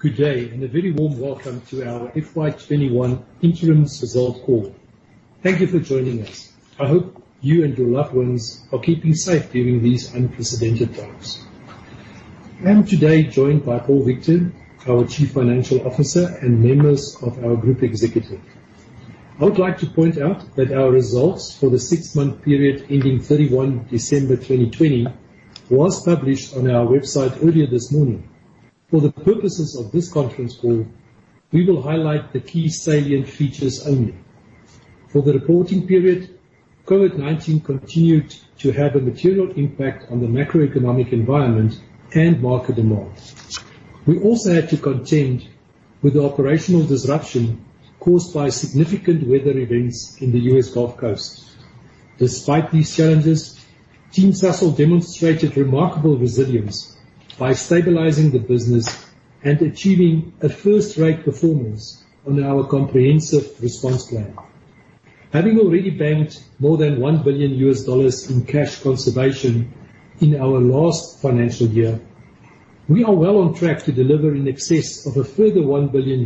Good day. A very warm welcome to our FY 2021 Interim Results call. Thank you for joining us. I hope you and your loved ones are keeping safe during these unprecedented times. I am today joined by Paul Victor, our Chief Financial Officer, and members of our group executive. I would like to point out that our results for the six-month period ending 31 December 2020 was published on our website earlier this morning. For the purposes of this conference call, we will highlight the key salient features only. For the reporting period, COVID-19 continued to have a material impact on the macroeconomic environment and market demand. We also had to contend with the operational disruption caused by significant weather events in the U.S. Gulf Coast. Despite these challenges, Team Sasol demonstrated remarkable resilience by stabilizing the business and achieving a first-rate performance on our comprehensive response plan. Having already banked more than $1 billion in cash conservation in our last financial year, we are well on track to deliver in excess of a further $1 billion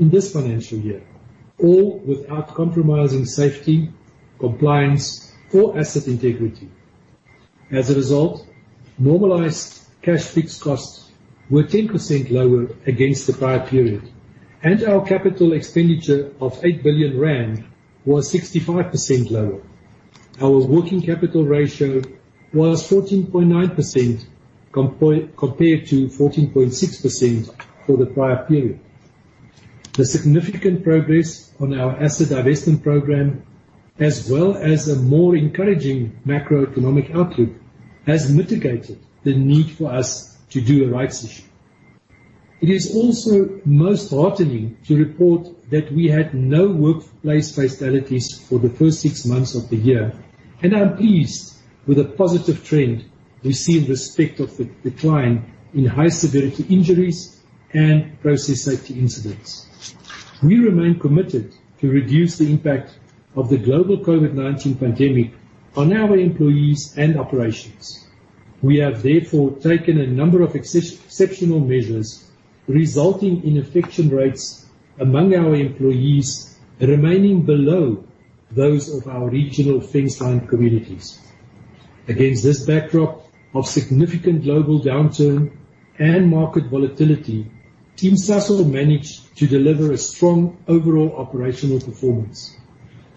in this financial year, all without compromising safety, compliance, or asset integrity. As a result, normalized cash fixed costs were 10% lower against the prior period, and our capital expenditure of 8 billion rand was 65% lower. Our working capital ratio was 14.9% compared to 14.6% for the prior period. The significant progress on our asset divestment program, as well as a more encouraging macroeconomic outlook, has mitigated the need for us to do a rights issue. It is also most heartening to report that we had no workplace fatalities for the first six months of the year, and I'm pleased with the positive trend we see in respect of the decline in high-severity injuries and process safety incidents. We remain committed to reduce the impact of the global COVID-19 pandemic on our employees and operations. We have therefore taken a number of exceptional measures resulting in infection rates among our employees remaining below those of our regional fenceline communities. Against this backdrop of significant global downturn and market volatility, Team Sasol managed to deliver a strong overall operational performance.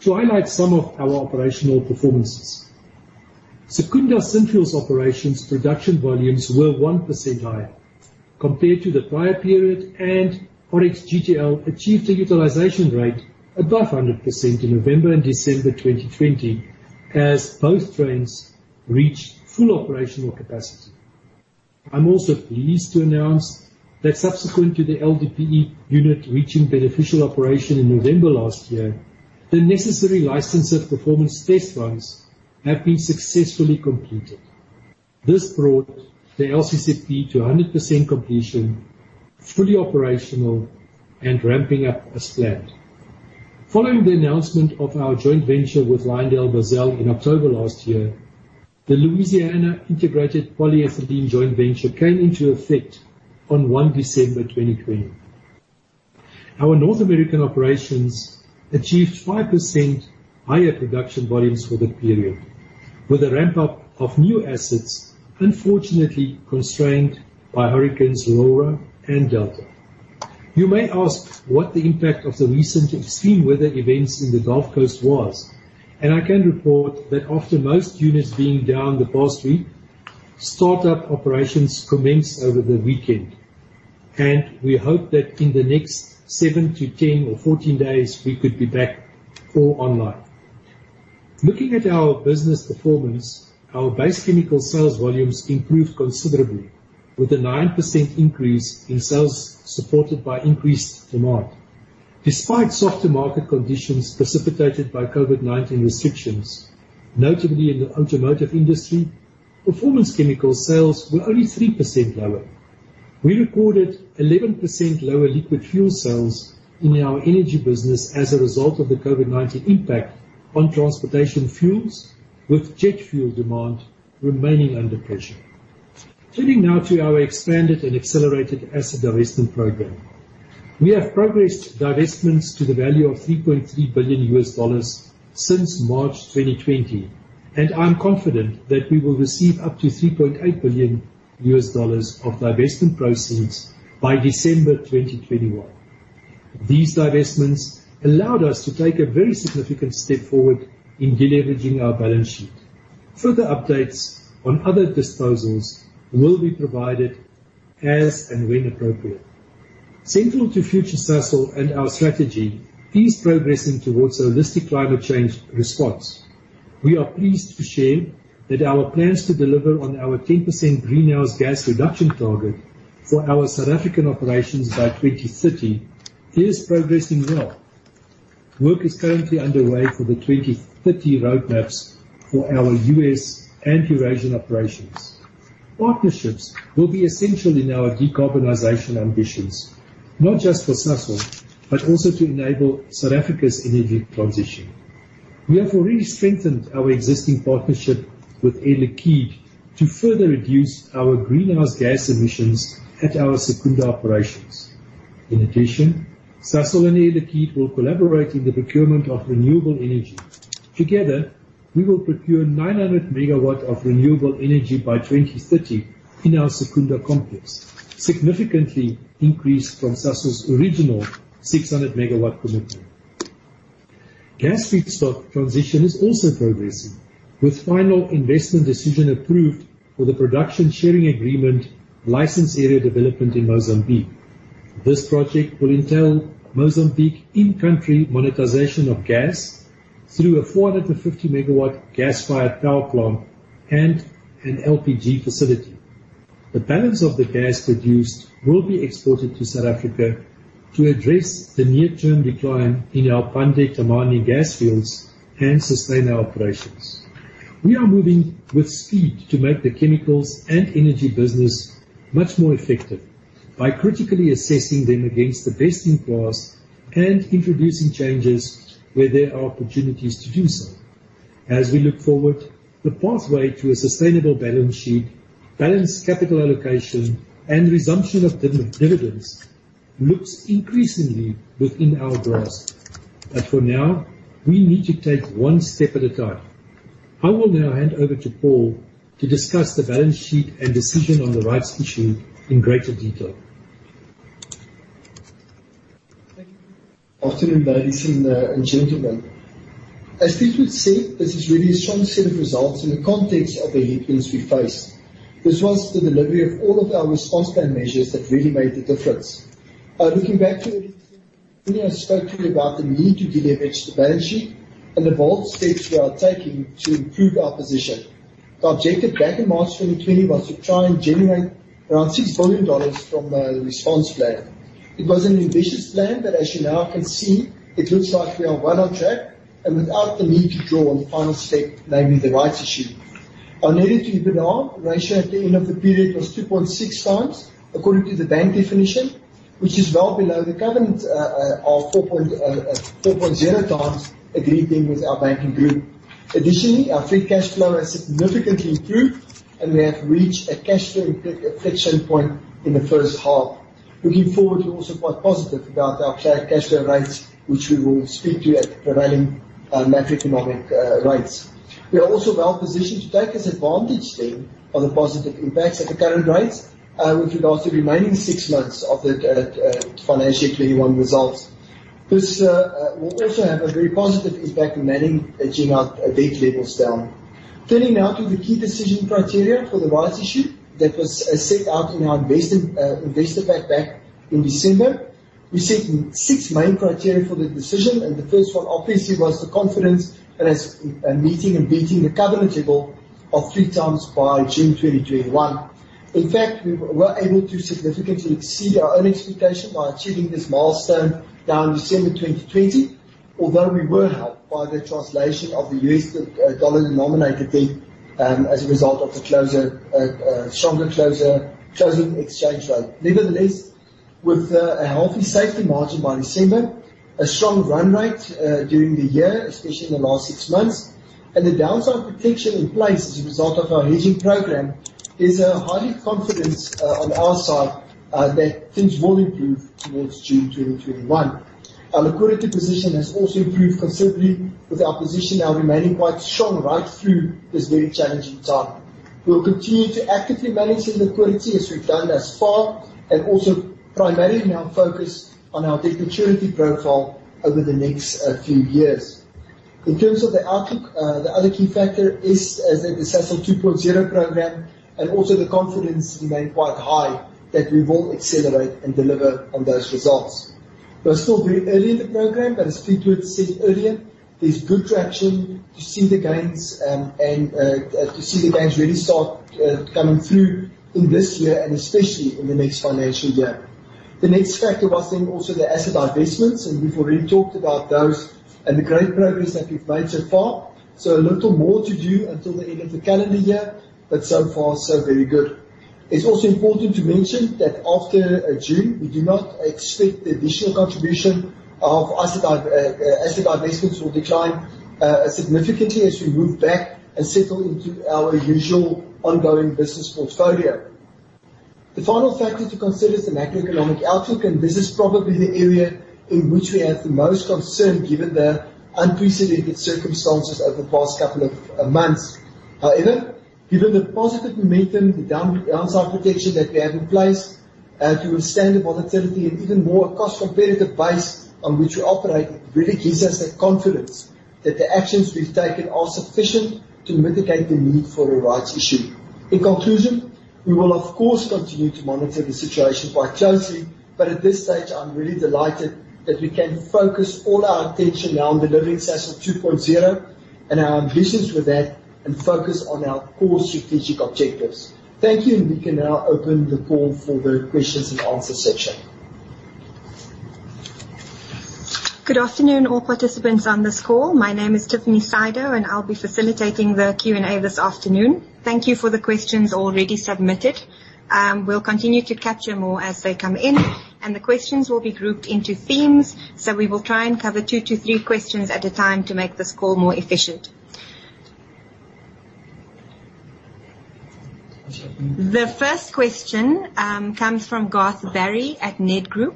To highlight some of our operational performances. Secunda Synfuels Operations production volumes were 1% higher compared to the prior period, and Oryx GTL achieved a utilization rate above 100% in November and December 2020 as both trains reached full operational capacity. I'm also pleased to announce that subsequent to the LDPE unit reaching beneficial operation in November last year, the necessary license of performance test runs have been successfully completed. This brought the LCCP to 100% completion, fully operational, and ramping up as planned. Following the announcement of our joint venture with LyondellBasell in October last year, the Louisiana Integrated PolyEthylene joint venture came into effect on 1 December 2020. Our North American operations achieved 5% higher production volumes for the period, with a ramp-up of new assets unfortunately constrained by Hurricanes Laura and Delta. You may ask what the impact of the recent extreme weather events in the Gulf Coast was. I can report that after most units being down the past week, startup operations commenced over the weekend, and we hope that in the next seven to 10 or 14 days, we could be back full online. Looking at our business performance, our base chemical sales volumes improved considerably, with a 9% increase in sales supported by increased demand. Despite softer market conditions precipitated by COVID-19 restrictions, notably in the automotive industry, performance chemical sales were only 3% lower. We recorded 11% lower liquid fuel sales in our energy business as a result of the COVID-19 impact on transportation fuels, with jet fuel demand remaining under pressure. Turning now to our expanded and accelerated asset divestment program. We have progressed divestments to the value of $3.3 billion since March 2020, and I'm confident that we will receive up to $3.8 billion of divestment proceeds by December 2021. These divestments allowed us to take a very significant step forward in deleveraging our balance sheet. Further updates on other disposals will be provided as and when appropriate. Central to future Sasol and our strategy is progressing towards a holistic climate change response. We are pleased to share that our plans to deliver on our 10% greenhouse gas reduction target for our South African operations by 2030 is progressing well. Work is currently underway for the 2030 roadmaps for our U.S. and Eurasian operations. Partnerships will be essential in our decarbonization ambitions, not just for Sasol, but also to enable South Africa's energy transition. We have already strengthened our existing partnership with Air Liquide to further reduce our greenhouse gas emissions at our Secunda operations. Sasol and Air Liquide will collaborate in the procurement of renewable energy. Together, we will procure 900 megawatts of renewable energy by 2030 in our Secunda complex, significantly increased from Sasol's original 600-megawatt commitment. Gas feedstock transition is also progressing, with final investment decision approved for the production sharing agreement license area development in Mozambique. This project will entail Mozambique in-country monetization of gas through a 450-megawatt gas-fired power plant and an LPG facility. The balance of the gas produced will be exported to South Africa to address the near-term decline in our Pande Temane gas fields and sustain our operations. We are moving with speed to make the chemicals and energy business much more effective by critically assessing them against the best in class and introducing changes where there are opportunities to do so. As we look forward, the pathway to a sustainable balance sheet, balanced capital allocation, and resumption of dividends looks increasingly within our grasp. For now, we need to take one step at a time. I will now hand over to Paul to discuss the balance sheet and decision on the rights issue in greater detail. Thank you. Afternoon, ladies and gentlemen. As Keith would say, this is really a strong set of results in the context of the headwinds we faced. This was the delivery of all of our response plan measures that really made the difference. Looking back to early 2020, I spoke to you about the need to deleverage the balance sheet and the bold steps we are taking to improve our position. The objective back in March 2020 was to try and generate around $6 billion from the response plan. It was an ambitious plan, as you now can see, it looks like we are well on track and without the need to draw on the final step, namely the rights issue. Our net-to-EBITDA ratio at the end of the period was 2.6 times according to the bank definition, which is well below the covenant of 4.0 times agreed then with our banking group. Additionally, our free cash flow has significantly improved, and we have reached a cash flow inflection point in the first half. Looking forward, we're also quite positive about our clear cash flow rates, which we will speak to at the prevailing macroeconomic rates. We are also well-positioned to take advantage then of the positive impacts at the current rates over the last remaining six months of the financial 2021 results. This will also have a very positive impact on managing our debt levels down. Turning now to the key decision criteria for the rights issue that was set out in our investor pack back in December. We set six main criteria for the decision. The first one, obviously, was the confidence that is meeting and beating the covenant level of three times by June 2021. In fact, we were able to significantly exceed our own expectation by achieving this milestone now in December 2020. Although we were helped by the translation of the US dollar-denominated debt as a result of the stronger closer closing exchange rate. Nevertheless, with a healthy safety margin by December, a strong run rate during the year, especially in the last six months, and the downside protection in place as a result of our hedging program, there's a highly confidence on our side that things will improve towards June 2021. Our liquidity position has also improved considerably with our position now remaining quite strong right through this very challenging time. We will continue to actively manage this liquidity as we've done thus far and also primarily now focus on our debt maturity profile over the next few years. In terms of the outlook, the other key factor is the Sasol 2.0 program. Also, the confidence remain quite high that we will accelerate and deliver on those results. We are still very early in the program, but as Keith said earlier, there's good traction to see the gains and to see the gains really start coming through in this year and especially in the next financial year. The next factor was then also the asset divestments, and we've already talked about those and the great progress that we've made so far. A little more to do until the end of the calendar year, but so far, so very good. It's also important to mention that after June, we do not expect the additional contribution of asset divestments will decline significantly as we move back and settle into our usual ongoing business portfolio. The final factor to consider is the macroeconomic outlook. This is probably the area in which we have the most concern given the unprecedented circumstances over the past couple of months. However, given the positive momentum, the downside protection that we have in place to withstand the volatility and even more a cost-competitive base on which we operate, really gives us that confidence that the actions we've taken are sufficient to mitigate the need for a rights issue. In conclusion, we will of course continue to monitor the situation quite closely. At this stage, I am really delighted that we can focus all our attention now on delivering Sasol 2.0 and our ambitions with that and focus on our core strategic objectives. Thank you, and we can now open the call for the questions and answer section. Good afternoon, all participants on this call. My name is Tiffany Sydow, and I will be facilitating the Q&A this afternoon. Thank you for the questions already submitted. We will continue to capture more as they come in, and the questions will be grouped into themes. We will try and cover two to three questions at a time to make this call more efficient. The first question comes from Garth Barry at Nedgroup.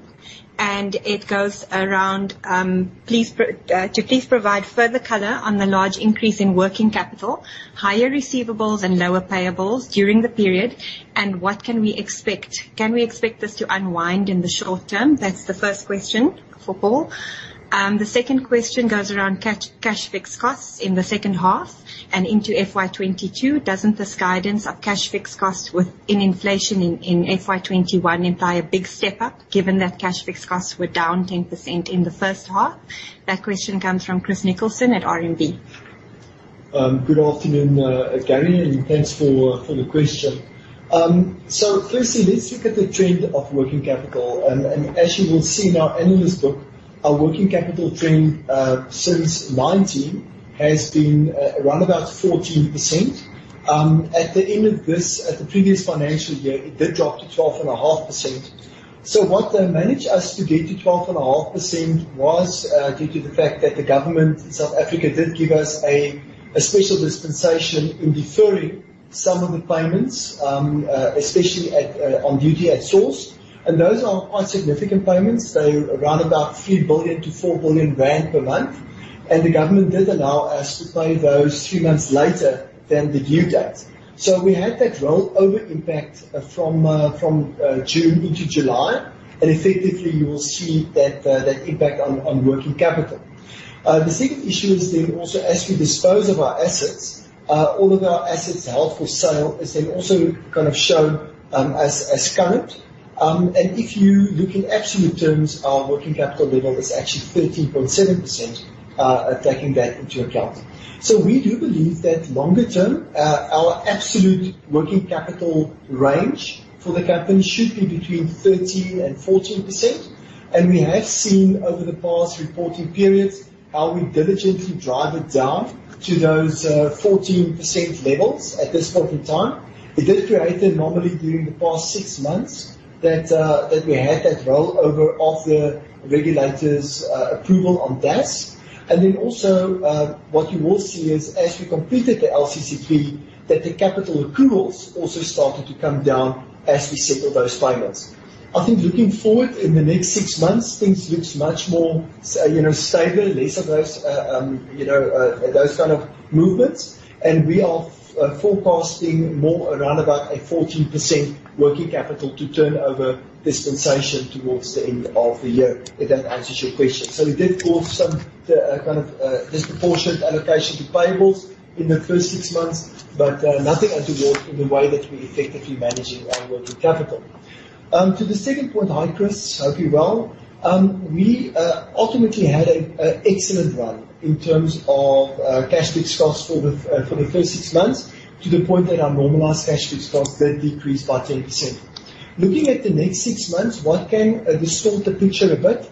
It goes around, to please provide further color on the large increase in working capital, higher receivables, and lower payables during the period. What can we expect? Can we expect this to unwind in the short term? That is the first question for Paul. The second question goes around cash fixed costs in the second half and into FY 2022. Does not this guidance of cash fixed costs with an inflation in FY 2021 imply a big step-up, given that cash fixed costs were down 10% in the first half? That question comes from Chris Nicholson at RMB. Good afternoon, Gary, and thanks for the question. Firstly, let us look at the trend of working capital. As you will see in our analyst book, our working capital trend, since 2019, has been around about 14%. At the end of the previous financial year, it did drop to 12.5%. What managed us to get to 12.5% was due to the fact that the government in South Africa did give us a special dispensation in deferring some of the payments, especially on duty at source. Those are quite significant payments. They are around about 3 billion-4 billion rand per month. The government did allow us to pay those two months later than the due date. We had that rollover impact from June into July, and effectively, you will see that impact on working capital. The second issue is then also as we dispose of our assets, all of our assets held for sale is then also shown as current. If you look in absolute terms, our working capital level is actually 13.7%, taking that into account. We do believe that longer term, our absolute working capital range for the company should be between 13% and 14%. We have seen over the past reporting periods how we diligently drive it down to those 14% levels at this point in time. It did create an anomaly during the past six months that we had that rollover of the regulators approval on DAS. What you will see is, as we completed the LCCP, that the capital accruals also started to come down as we settle those payments. I think looking forward in the next six months, things looks much more stable, less of those kind of movements. We are forecasting more around about a 14% working capital to turn over dispensation towards the end of the year, if that answers your question. It did cause some disproportionate allocation to payables in the first six months, but nothing untoward in the way that we effectively managing our working capital. To the second point. Hi, Chris. Hope you're well. We ultimately had an excellent run in terms of cash fixed costs for the first six months, to the point that our normalized cash fixed costs did decrease by 10%. Looking at the next six months, what can distort the picture a bit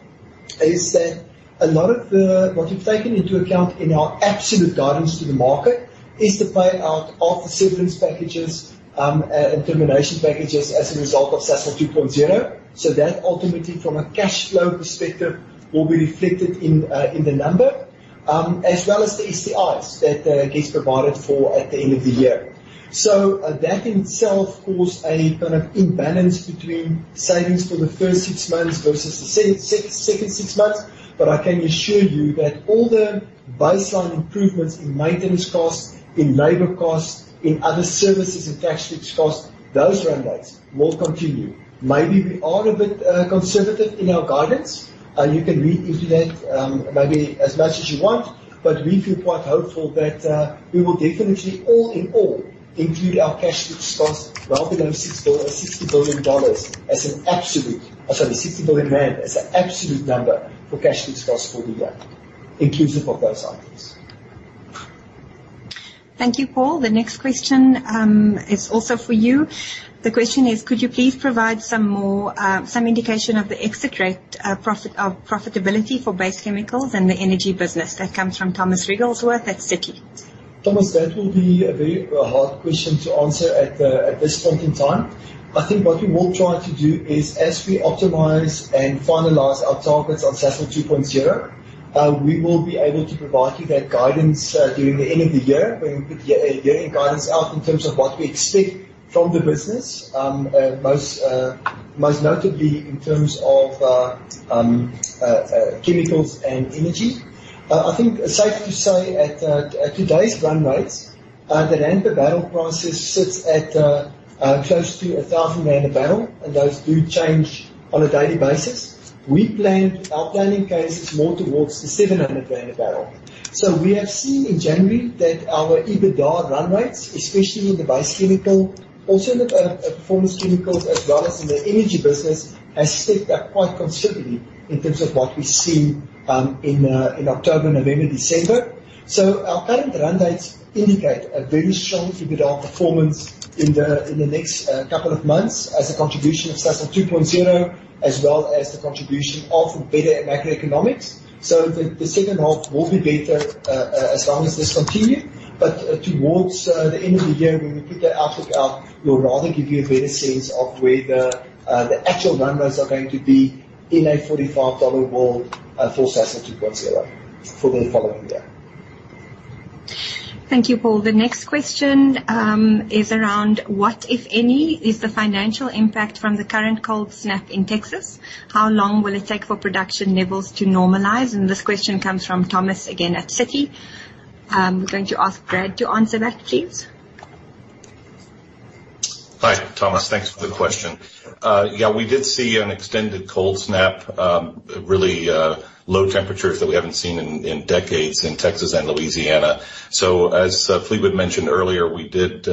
is that a lot of what we've taken into account in our absolute guidance to the market is the pay-out of the severance packages and termination packages as a result of Sasol 2.0. That ultimately, from a cash flow perspective, will be reflected in the number, as well as the STIs that gets provided for at the end of the year. That in itself caused a kind of imbalance between savings for the first six months versus the second six months. I can assure you that all the baseline improvements in maintenance costs, in labor costs, in other services, and cash fixed costs, those run rates will continue. Maybe we are a bit conservative in our guidance. You can read into that maybe as much as you want, we feel quite hopeful that we will definitely, all in all, include our cash fixed costs, well below ZAR 60 billion as an absolute I'm sorry, 60 billion as an absolute number for cash fixed costs for the year, inclusive of those items. Thank you, Paul. The next question is also for you. The question is: Could you please provide some indication of the exit rate of profitability for base chemicals and the energy business? That comes from Thomas Wrigglesworth at Citi. Thomas, that will be a very hard question to answer at this point in time. I think what we will try to do is, as we optimize and finalize our targets on Sasol 2.0, we will be able to provide you that guidance during the end of the year when we put year-end guidance out in terms of what we expect from the business. Most notably in terms of chemicals and energy. I think it's safe to say at today's run rates, the rand per barrel process sits at close to 1,000 rand a barrel, and those do change on a daily basis. Our planning case is more towards the 700 rand a barrel. We have seen in January that our EBITDA run rates, especially in the base chemical, also the performance chemicals, as well as in the energy business, has stepped up quite considerably in terms of what we've seen in October, November, December. Our current run rates indicate a very strong EBITDA performance in the next couple of months as a contribution of Sasol 2.0, as well as the contribution of better macroeconomics. The second half will be better as long as this continue. Towards the end of the year, when we put the outlook out, we'll rather give you a better sense of where the actual run rates are going to be in a $45 oil for Sasol 2.0 for the following year. Thank you, Paul. The next question is around what, if any, is the financial impact from the current cold snap in Texas? How long will it take for production levels to normalize? This question comes from Thomas again at Citi. We're going to ask Brad to answer that, please. Hi, Thomas. Thanks for the question. Yeah, we did see an extended cold snap, really low temperatures that we haven't seen in decades in Texas and Louisiana. As Fleetwood mentioned earlier, we did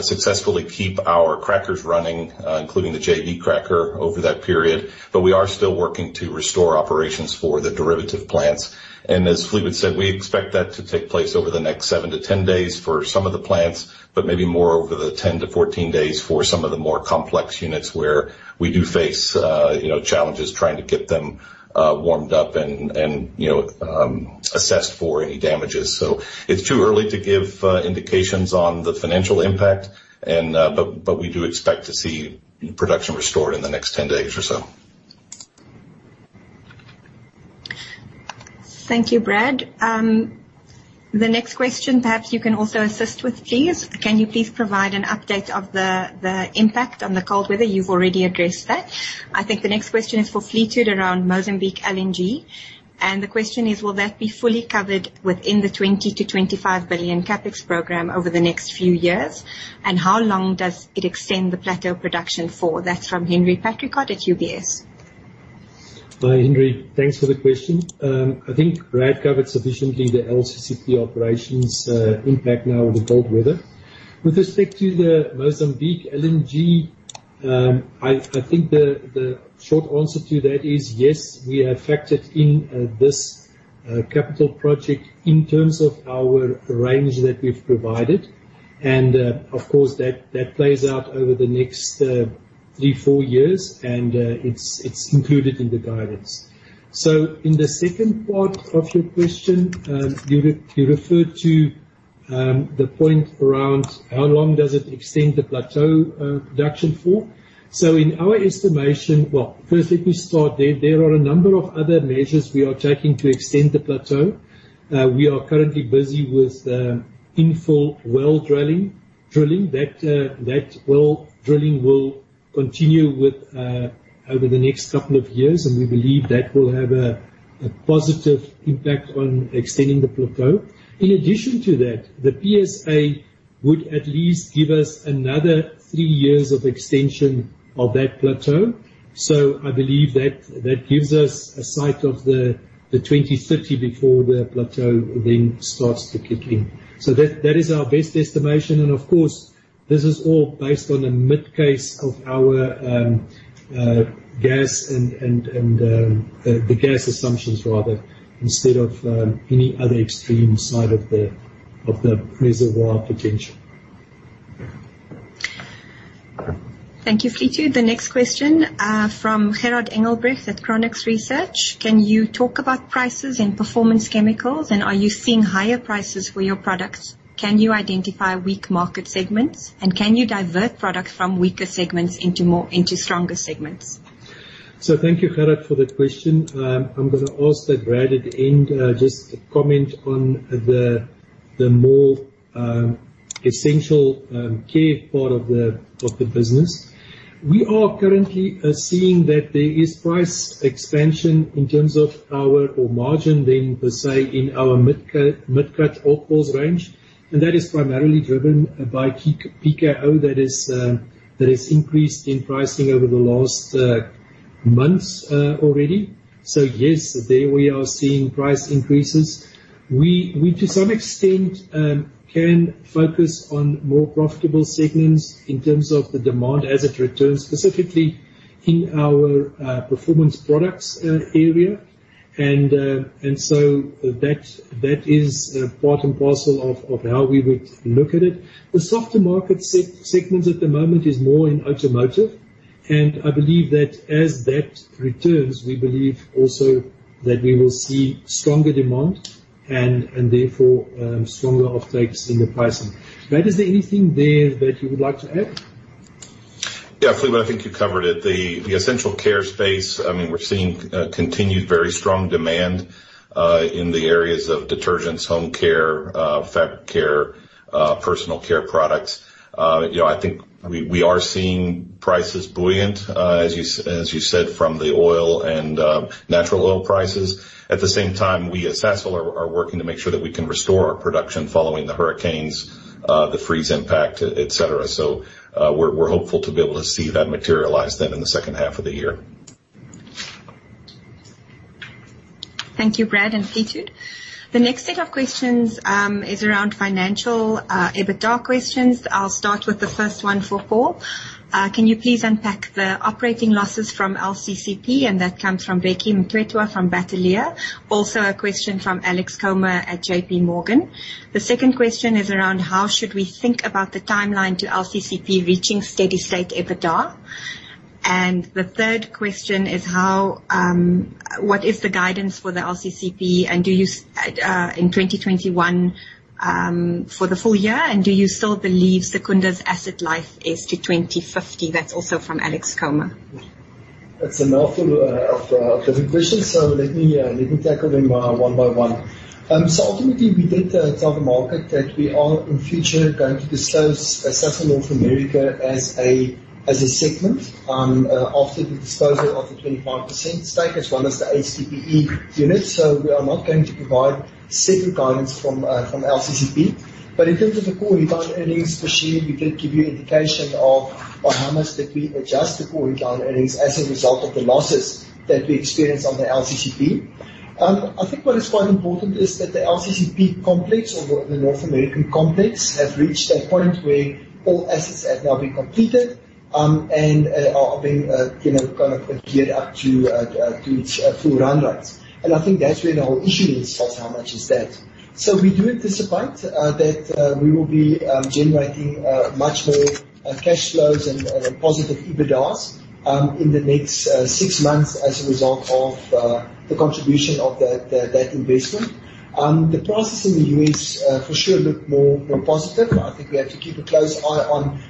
successfully keep our crackers running, including the JV cracker over that period. We are still working to restore operations for the derivative plants. As Fleetwood said, we expect that to take place over the next seven to 10 days for some of the plants, but maybe more over the 10 to 14 days for some of the more complex units where we do face challenges trying to get them warmed up and assessed for any damages. It's too early to give indications on the financial impact, but we do expect to see production restored in the next 10 days or so. Thank you, Brad. The next question, perhaps you can also assist with, please. Can you please provide an update of the impact on the cold weather? You've already addressed that. I think the next question is for Fleetwood around Mozambique LNG, the question is: Will that be fully covered within the 20 billion-25 billion CapEx program over the next few years? How long does it extend the plateau production for? That's from Henry Patrica at UBS. Hi, Henry. Thanks for the question. I think Brad covered sufficiently the LCCP operations impact now with the cold weather. With respect to the Mozambique LNG, I think the short answer to that is yes, we have factored in this capital project in terms of our range that we've provided. Of course, that plays out over the next three, four years. It's included in the guidance. In the second part of your question, you referred to the point around how long does it extend the plateau production for? In our estimation, first let me start, there are a number of other measures we are taking to extend the plateau. We are currently busy with infill well drilling. That well drilling will continue over the next couple of years, and we believe that will have a positive impact on extending the plateau. In addition to that, the PSA would at least give us another three years of extension of that plateau. I believe that gives us a sight of the 2030 before the plateau then starts to kick in. That is our best estimation, and of course, this is all based on a mid case of our gas and the gas assumptions rather instead of any other extreme side of the reservoir potential. Thank you, Fleetwood. The next question from Gerhard Engelbrecht at Chronux Research. Can you talk about prices and performance chemicals? Are you seeing higher prices for your products? Can you identify weak market segments? Can you divert products from weaker segments into stronger segments? Thank you, Gerard, for that question. I'm going to ask that Brad at the end just comment on the more essential care part of the business. We are currently seeing that there is price expansion in terms of our margin than per se in our mid-cut oils range. That is primarily driven by PKO that has increased in pricing over the last months already. Yes, there we are seeing price increases. We, to some extent, can focus on more profitable segments in terms of the demand as it returns, specifically in our performance products area. That is part and parcel of how we would look at it. The softer market segments at the moment is more in automotive, and I believe that as that returns, we believe also that we will see stronger demand and therefore stronger off takes in the pricing. Brad, is there anything there that you would like to add? Fleetwood, I think you covered it. The essential care space, we are seeing continued very strong demand in the areas of detergents, home care, fabric care, personal care products. I think we are seeing prices buoyant, as you said, from the oil and natural oil prices. At the same time, we at Sasol are working to make sure that we can restore our production following the hurricanes, the freeze impact, et cetera. We are hopeful to be able to see that materialize then in the second half of the year. Thank you, Brad and Fleetwood. The next set of questions is around financial EBITDA questions. I'll start with the first one for Paul. Can you please unpack the operating losses from LCCP? That comes from Bheki Mthethwa from Bateleur. Also a question from Alex Comer at J.P. Morgan. The second question is around how should we think about the timeline to LCCP reaching steady state EBITDA? The third question is, what is the guidance for the LCCP in 2021 for the full year and do you still believe Secunda's asset life is to 2050? That's also from Alex Comer. It's a mouthful of different questions, so let me tackle them one by one. Ultimately, we did tell the market that we are in future going to disclose Southern North America as a segment after the disposal of the 25% stake as well as the HDPE unit. We are not going to provide separate guidance from LCCP. In terms of the core earnings per share, we did give you indication of by how much did we adjust the core headline earnings as a result of the losses that we experienced on the LCCP. I think what is quite important is that the LCCP complex or the North American complex, have reached a point where all assets have now been completed, and are being geared up to its full run rates. I think that's where the whole issue is how much is that. We do anticipate that we will be generating much more cash flows and positive EBITDAs in the next six months as a result of the contribution of that investment. The prices in the U.S. for sure look more positive. I think we have to keep a close eye on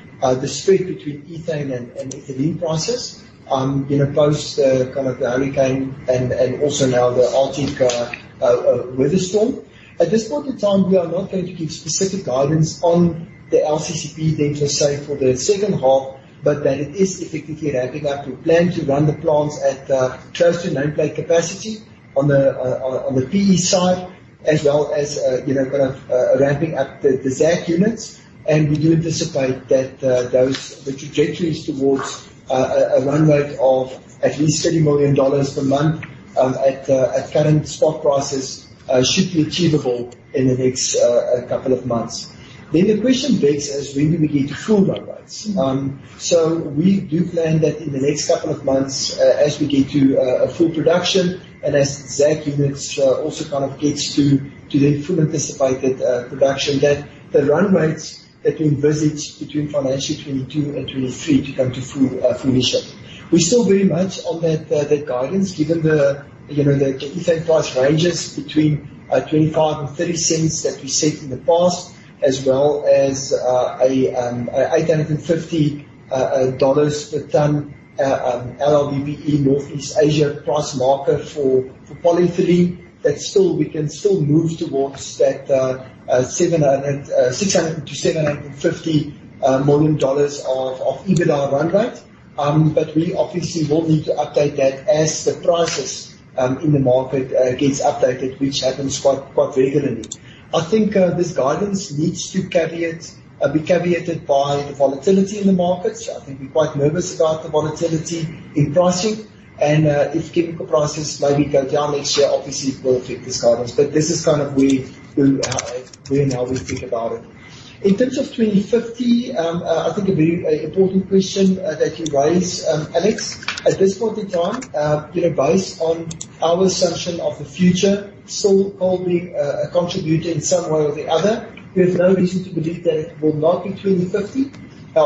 the spread between ethane and ethylene prices post the hurricane and also now the Arctic winter storm. At this point in time, we are not going to give specific guidance on the LCCP then for say for the second half, but that it is effectively ramping up. We plan to run the plants at close to nameplate capacity on the PE side as well as ramping up the Ziegler units. We do anticipate that those, the trajectory is towards a run rate of at least $30 million per month at current spot prices should be achievable in the next couple of months. The question begs is, when do we get to full run rates? We do plan that in the next couple of months as we get to a full production and as Ziegler units also gets to that full anticipated production, that the run rates that we envisage between financial 2022 and 2023 to come to full initial. We still very much on that guidance, given the ethane price ranges between 25 and $0.30 that we set in the past, as well as a $850 per ton LLDPE North East Asia price marker for polyethylene. We can still move towards that $600 million-$750 million of EBITDA run rate. We obviously will need to update that as the prices in the market gets updated, which happens quite regularly. I think this guidance needs to be caveated by the volatility in the markets. I think we're quite nervous about the volatility in pricing and if chemical prices maybe go down next year, obviously it will affect this guidance. This is where and how we think about it. In terms of 2050, I think a very important question that you raised, Alex. At this point in time, based on our assumption of the future, Sasol will be a contributor in some way or the other. We have no reason to believe that it will not be 2050. We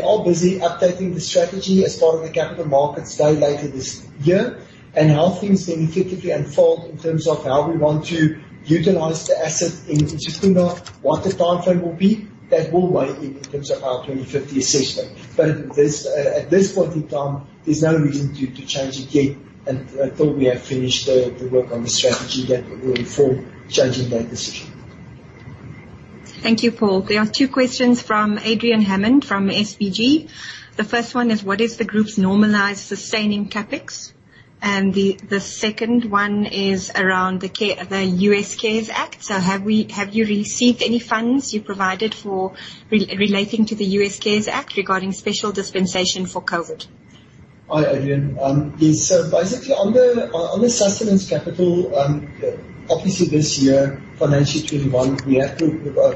are busy updating the strategy as part of the Capital Markets Day later this year, and how things then effectively unfold in terms of how we want to utilize the asset in Secunda, what the timeframe will be, that will weigh in in terms of our 2050 assessment. At this point in time, there's no reason to change it yet until we have finished the work on the strategy that will inform changing that decision. Thank you, Paul. There are two questions from Adrian Hammond, from SBG. The first one is, what is the group's normalized sustaining CapEx? The second one is around the U.S. CARES Act. Have you received any funds you provided for relating to the U.S. CARES Act regarding special dispensation for COVID? Hi, Adrian. Yes. Basically on the sustenance capital, obviously this year, financially 2021, we have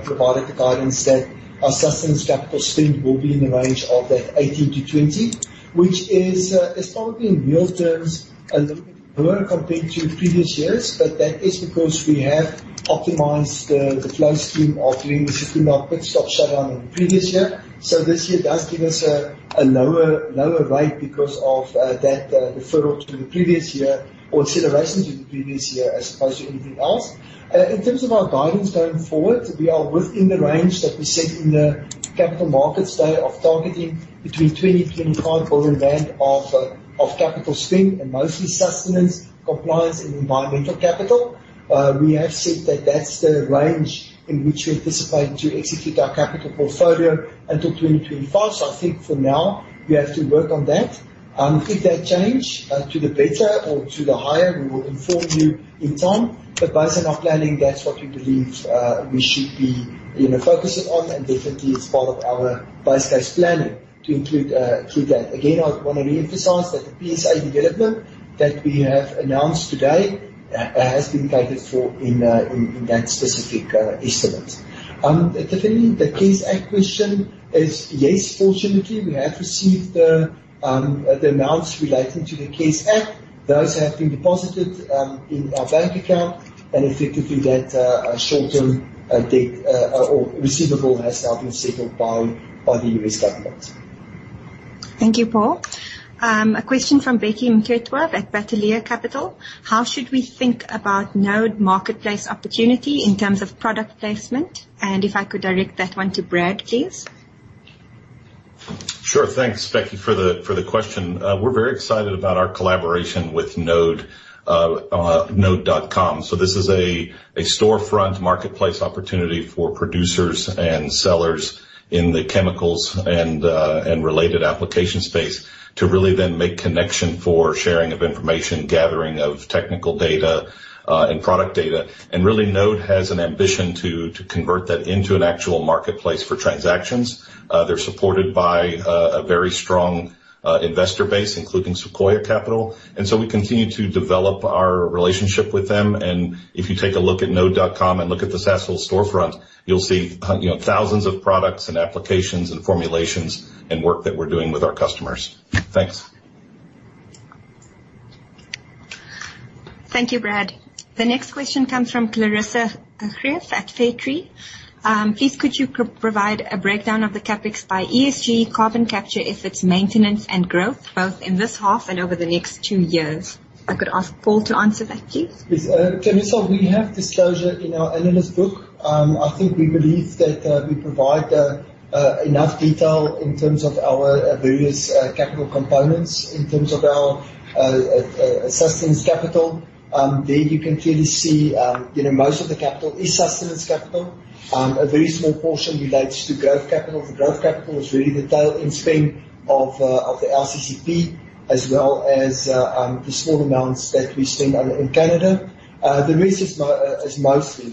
provided the guidance that our sustenance capital spend will be in the range of that 18 billion-20 billion. Which is probably in real terms, a little bit lower compared to previous years. That is because we have optimized the flow stream after the Secunda pit stop shutdown in the previous year. This year does give us a lower rate because of that deferral to the previous year or acceleration to the previous year as opposed to anything else. In terms of our guidance going forward, we are within the range that we set in the Capital Markets Day of targeting between 20 billion-25 billion rand of capital spend and mostly sustenance, compliance, and environmental capital. We have said that that's the range in which we anticipate to execute our capital portfolio until 2025. I think for now we have to work on that. If that change to the better or to the higher, we will inform you in time. But based on our planning, that's what we believe we should be focused on, and definitely it's part of our base case planning to include that. Again, I want to reemphasize that the PSA development that we have announced today has been catered for in that specific estimate. Tiffany, the CARES Act question is yes, fortunately, we have received the amounts relating to the CARES Act. Those have been deposited in our bank account and effectively that short-term debt or receivable has now been settled by the US government. Thank you, Paul. A question from Becky Mkhetwa at Bateleur Capital. How should we think about Node marketplace opportunity in terms of product placement? And if I could direct that one to Brad, please. Sure. Thanks, Becky, for the question. We're very excited about our collaboration with node.com. This is a storefront marketplace opportunity for producers and sellers in the chemicals and related application space to really then make connection for sharing of information, gathering of technical data and product data. And really, Node has an ambition to convert that into an actual marketplace for transactions. They're supported by a very strong investor base, including Sequoia Capital, and so we continue to develop our relationship with them. And if you take a look at node.com and look at the Sasol storefront, you'll see thousands of products and applications and formulations and work that we're doing with our customers. Thanks. Thank you, Brad. The next question comes from Clarissa Akhrief at Fairtree. "Please could you provide a breakdown of the CapEx by ESG carbon capture, if it's maintenance and growth, both in this half and over the next two years?" If I could ask Paul to answer that, please. Yes. Clarissa, we have disclosure in our analyst book. I think we believe that we provide enough detail in terms of our various capital components, in terms of our sustenance capital. There you can clearly see most of the capital is sustenance capital. A very small portion relates to growth capital. The growth capital is really the tail end spend of the LCCP, as well as the small amounts that we spend on in Canada. The rest is mostly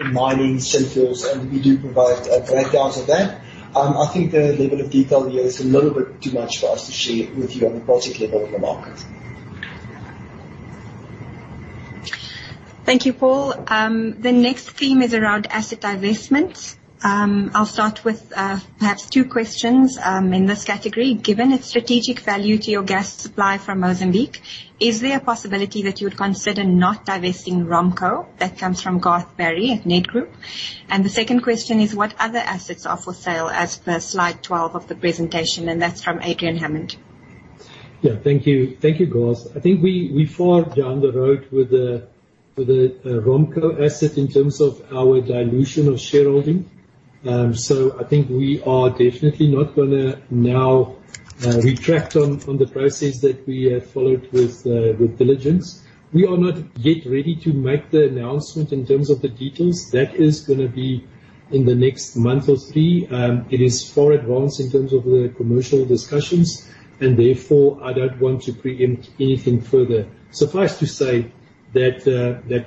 in mining synth oils, and we do provide a breakdown of that. I think the level of detail here is a little bit too much for us to share with you on a project level in the market. Thank you, Paul. The next theme is around asset divestment. I'll start with perhaps two questions in this category. "Given its strategic value to your gas supply from Mozambique, is there a possibility that you would consider not divesting ROMPCO?" That comes from Garth Barry at Nedgroup. The second question is, "What other assets are for sale as per slide 12 of the presentation?" That's from Adrian Hammond. Thank you, Garth. I think we far down the road with the ROMPCO asset in terms of our dilution of shareholding. I think we are definitely not gonna now retract on the process that we have followed with due diligence. We are not yet ready to make the announcement in terms of the details. That is gonna be in the next month or three. It is far advanced in terms of the commercial discussions, therefore I don't want to preempt anything further. Suffice to say that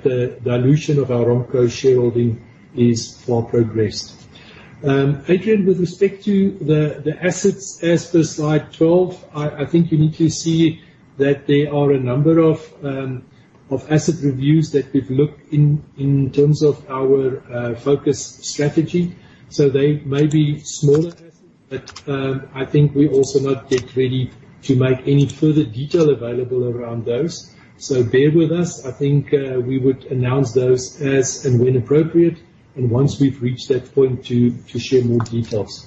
the dilution of our ROMPCO shareholding is far progressed. Adrian, with respect to the assets as per slide 12, I think you need to see that there are a number of asset reviews that we've looked in terms of our focus strategy. They may be smaller assets, but I think we're also not yet ready to make any further detail available around those. Bear with us. I think we would announce those as and when appropriate and once we've reached that point to share more details.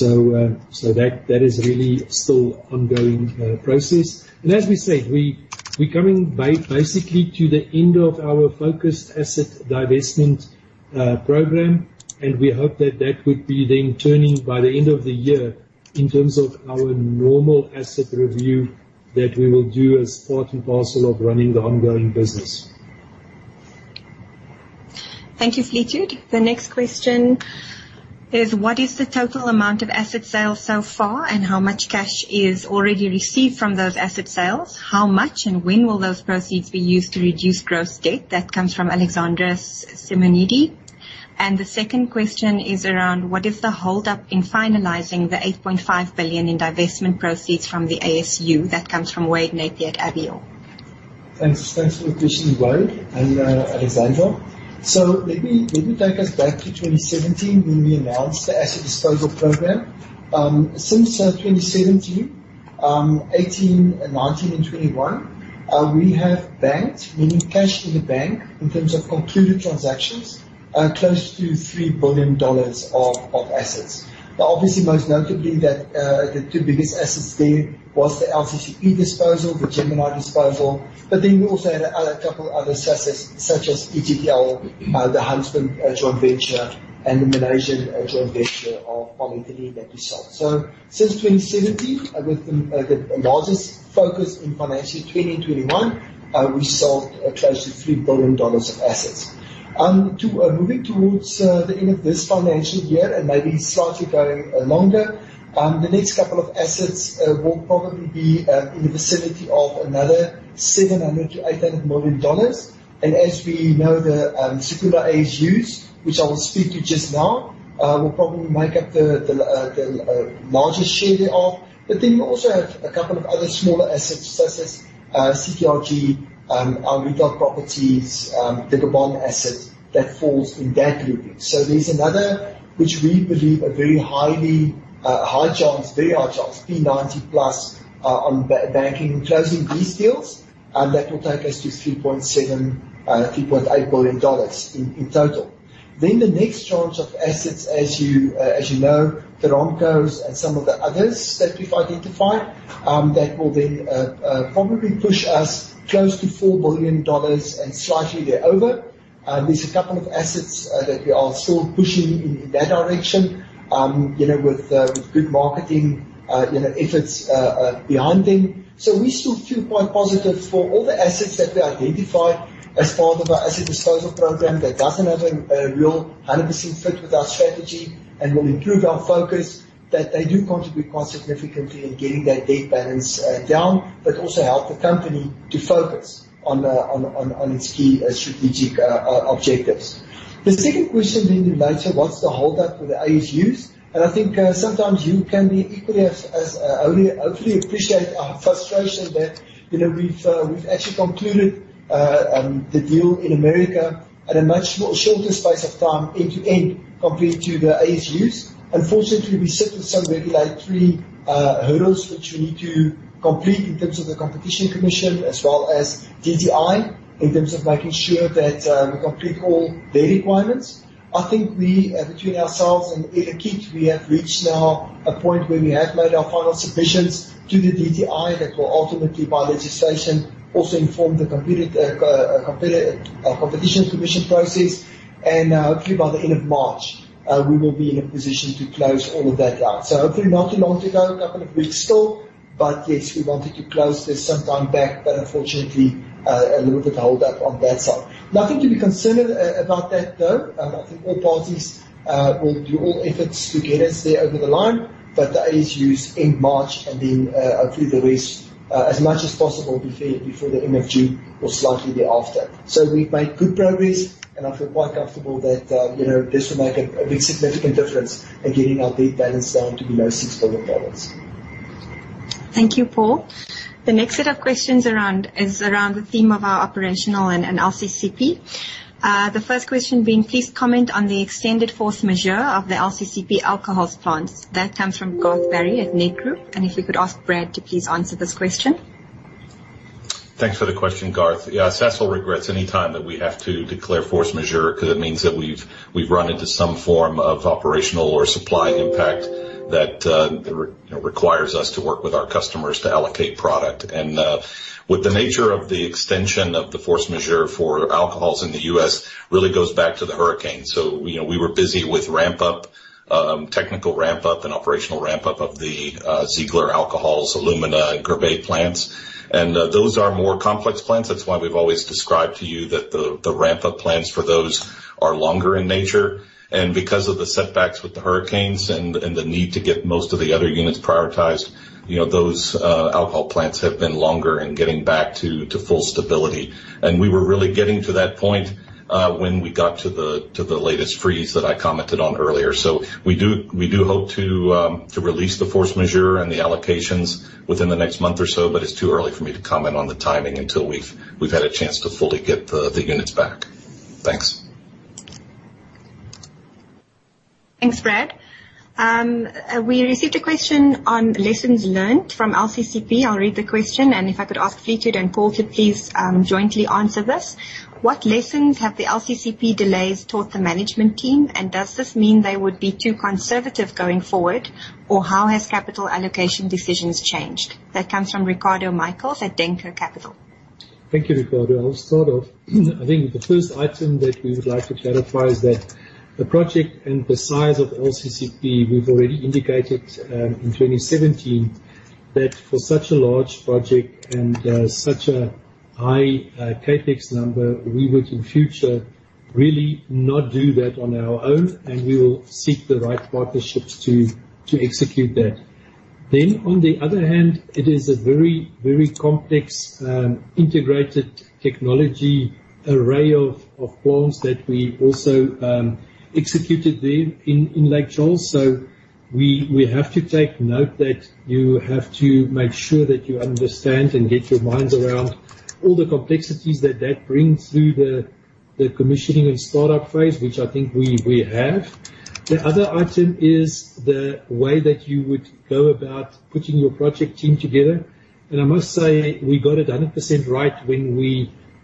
That is really still ongoing process. As we said, we're coming basically to the end of our focused asset divestment program, we hope that that would be then turning by the end of the year in terms of our normal asset review that we will do as part and parcel of running the ongoing business. Thank you, Sleethude. The next question is, "What is the total amount of asset sales so far, and how much cash is already received from those asset sales? How much and when will those proceeds be used to reduce gross debt?" That comes from Alexandros Simonidi. The second question is around, "What is the holdup in finalizing the $8.5 billion in divestment proceeds from the ASU?" That comes from Wade Napier at Avior Capital Markets. Thanks for the question, Wade and Alexandros. Let me take us back to 2017 when we announced the asset disposal program. Since 2017, 2018, 2019, and 2021, we have banked, meaning cash in the bank in terms of concluded transactions, close to $3 billion of assets. Now, obviously, most notably the two biggest assets there was the LCCP disposal, the Gemini disposal. We also had a couple other assets, such as EGTL, the Huntsman joint venture, and the Malaysian joint venture of polyethylene that we sold. Since 2017, with the largest focus in financial 2020 and 2021, we sold close to $3 billion of assets. Moving towards the end of this financial year and maybe slightly going longer, the next couple of assets will probably be in the vicinity of another $700 million to $800 million. As we know, the Secunda ASUs, which I will speak to just now, will probably make up the largest share thereof. We also have a couple of other smaller assets such as CPRG, our retail properties, the Gabon asset that falls in that grouping. There is another, which we believe a very high chance, P90 plus on banking closing these deals, that will take us to $3.7 billion, $3.8 billion in total. The next tranche of assets, as you know, the ROMPCOs and some of the others that we have identified, that will then probably push us close to $4 billion and slightly there over. There is a couple of assets that we are still pushing in that direction, with good marketing efforts behind them. We still feel quite positive for all the assets that we identified as part of our asset disposal program that does not have a real 100% fit with our strategy and will improve our focus, that they do contribute quite significantly in getting that debt balance down, but also help the company to focus on its key strategic objectives. The second question being asked, what is the holdup with the ASUs? I think sometimes you can be equally as, hopefully, appreciate our frustration that we have actually concluded the deal in America at a much more shorter space of time end-to-end compared to the ASUs. Unfortunately, we sit with some regulatory hurdles, which we need to complete in terms of the Competition Commission, as well as DTI, in terms of making sure that we complete all their requirements. I think we, between ourselves and Air Liquide, we have reached now a point where we have made our final submissions to the DTI that will ultimately, by legislation, also inform the Competition Commission process. Hopefully, by the end of March, we will be in a position to close all of that out. Hopefully not too long to go, a couple of weeks still. Yes, we wanted to close this some time back, but unfortunately, a little bit hold up on that side. Nothing to be concerned about that, though. I think all parties will do all efforts to get us there over the line, but the ASUs end March and then hopefully the rest, as much as possible, before the end of June or slightly thereafter. We've made good progress, and I feel quite comfortable that this will make a big significant difference in getting our debt balance down to below $6 billion. Thank you, Paul. The next set of questions is around the theme of our operational and LCCP. The first question being, "Please comment on the extended force majeure of the LCCP alcohols plants." That comes from Garth Barry at Nedgroup. If we could ask Brad to please answer this question. Thanks for the question, Garth. Sasol regrets any time that we have to declare force majeure because it means that we've run into some form of operational or supply impact that requires us to work with our customers to allocate product. With the nature of the extension of the force majeure for alcohols in the U.S., really goes back to the hurricane. We were busy with ramp-up, technical ramp-up, and operational ramp-up of the Ziegler Alcohols, alumina, and Guerbet plants. Those are more complex plants. That's why we've always described to you that the ramp-up plans for those are longer in nature. Because of the setbacks with the hurricanes and the need to get most of the other units prioritized, those alcohol plants have been longer in getting back to full stability. We were really getting to that point, when we got to the latest freeze that I commented on earlier. We do hope to release the force majeure and the allocations within the next month or so, but it's too early for me to comment on the timing until we've had a chance to fully get the units back. Thanks. Thanks, Brad. We received a question on lessons learned from LCCP. I'll read the question, if I could ask Fleetwood and Paul to please jointly answer this. What lessons have the LCCP delays taught the management team? Does this mean they would be too conservative going forward? How has capital allocation decisions changed? That comes from Ricardo Michaels at Denker Capital. Thank you, Ricardo. I'll start off. I think the first item that we would like to clarify is that the project and the size of LCCP, we've already indicated, in 2017, that for such a large project and such a high CapEx number, we would, in future, really not do that on our own, we will seek the right partnerships to execute that. On the other hand, it is a very complex, integrated technology array of plants that we also executed there in Lake Charles. We have to take note that you have to make sure that you understand and get your minds around all the complexities that that brings through the commissioning and startup phase, which I think we have. The other item is the way that you would go about putting your project team together. I must say, we got it 100% right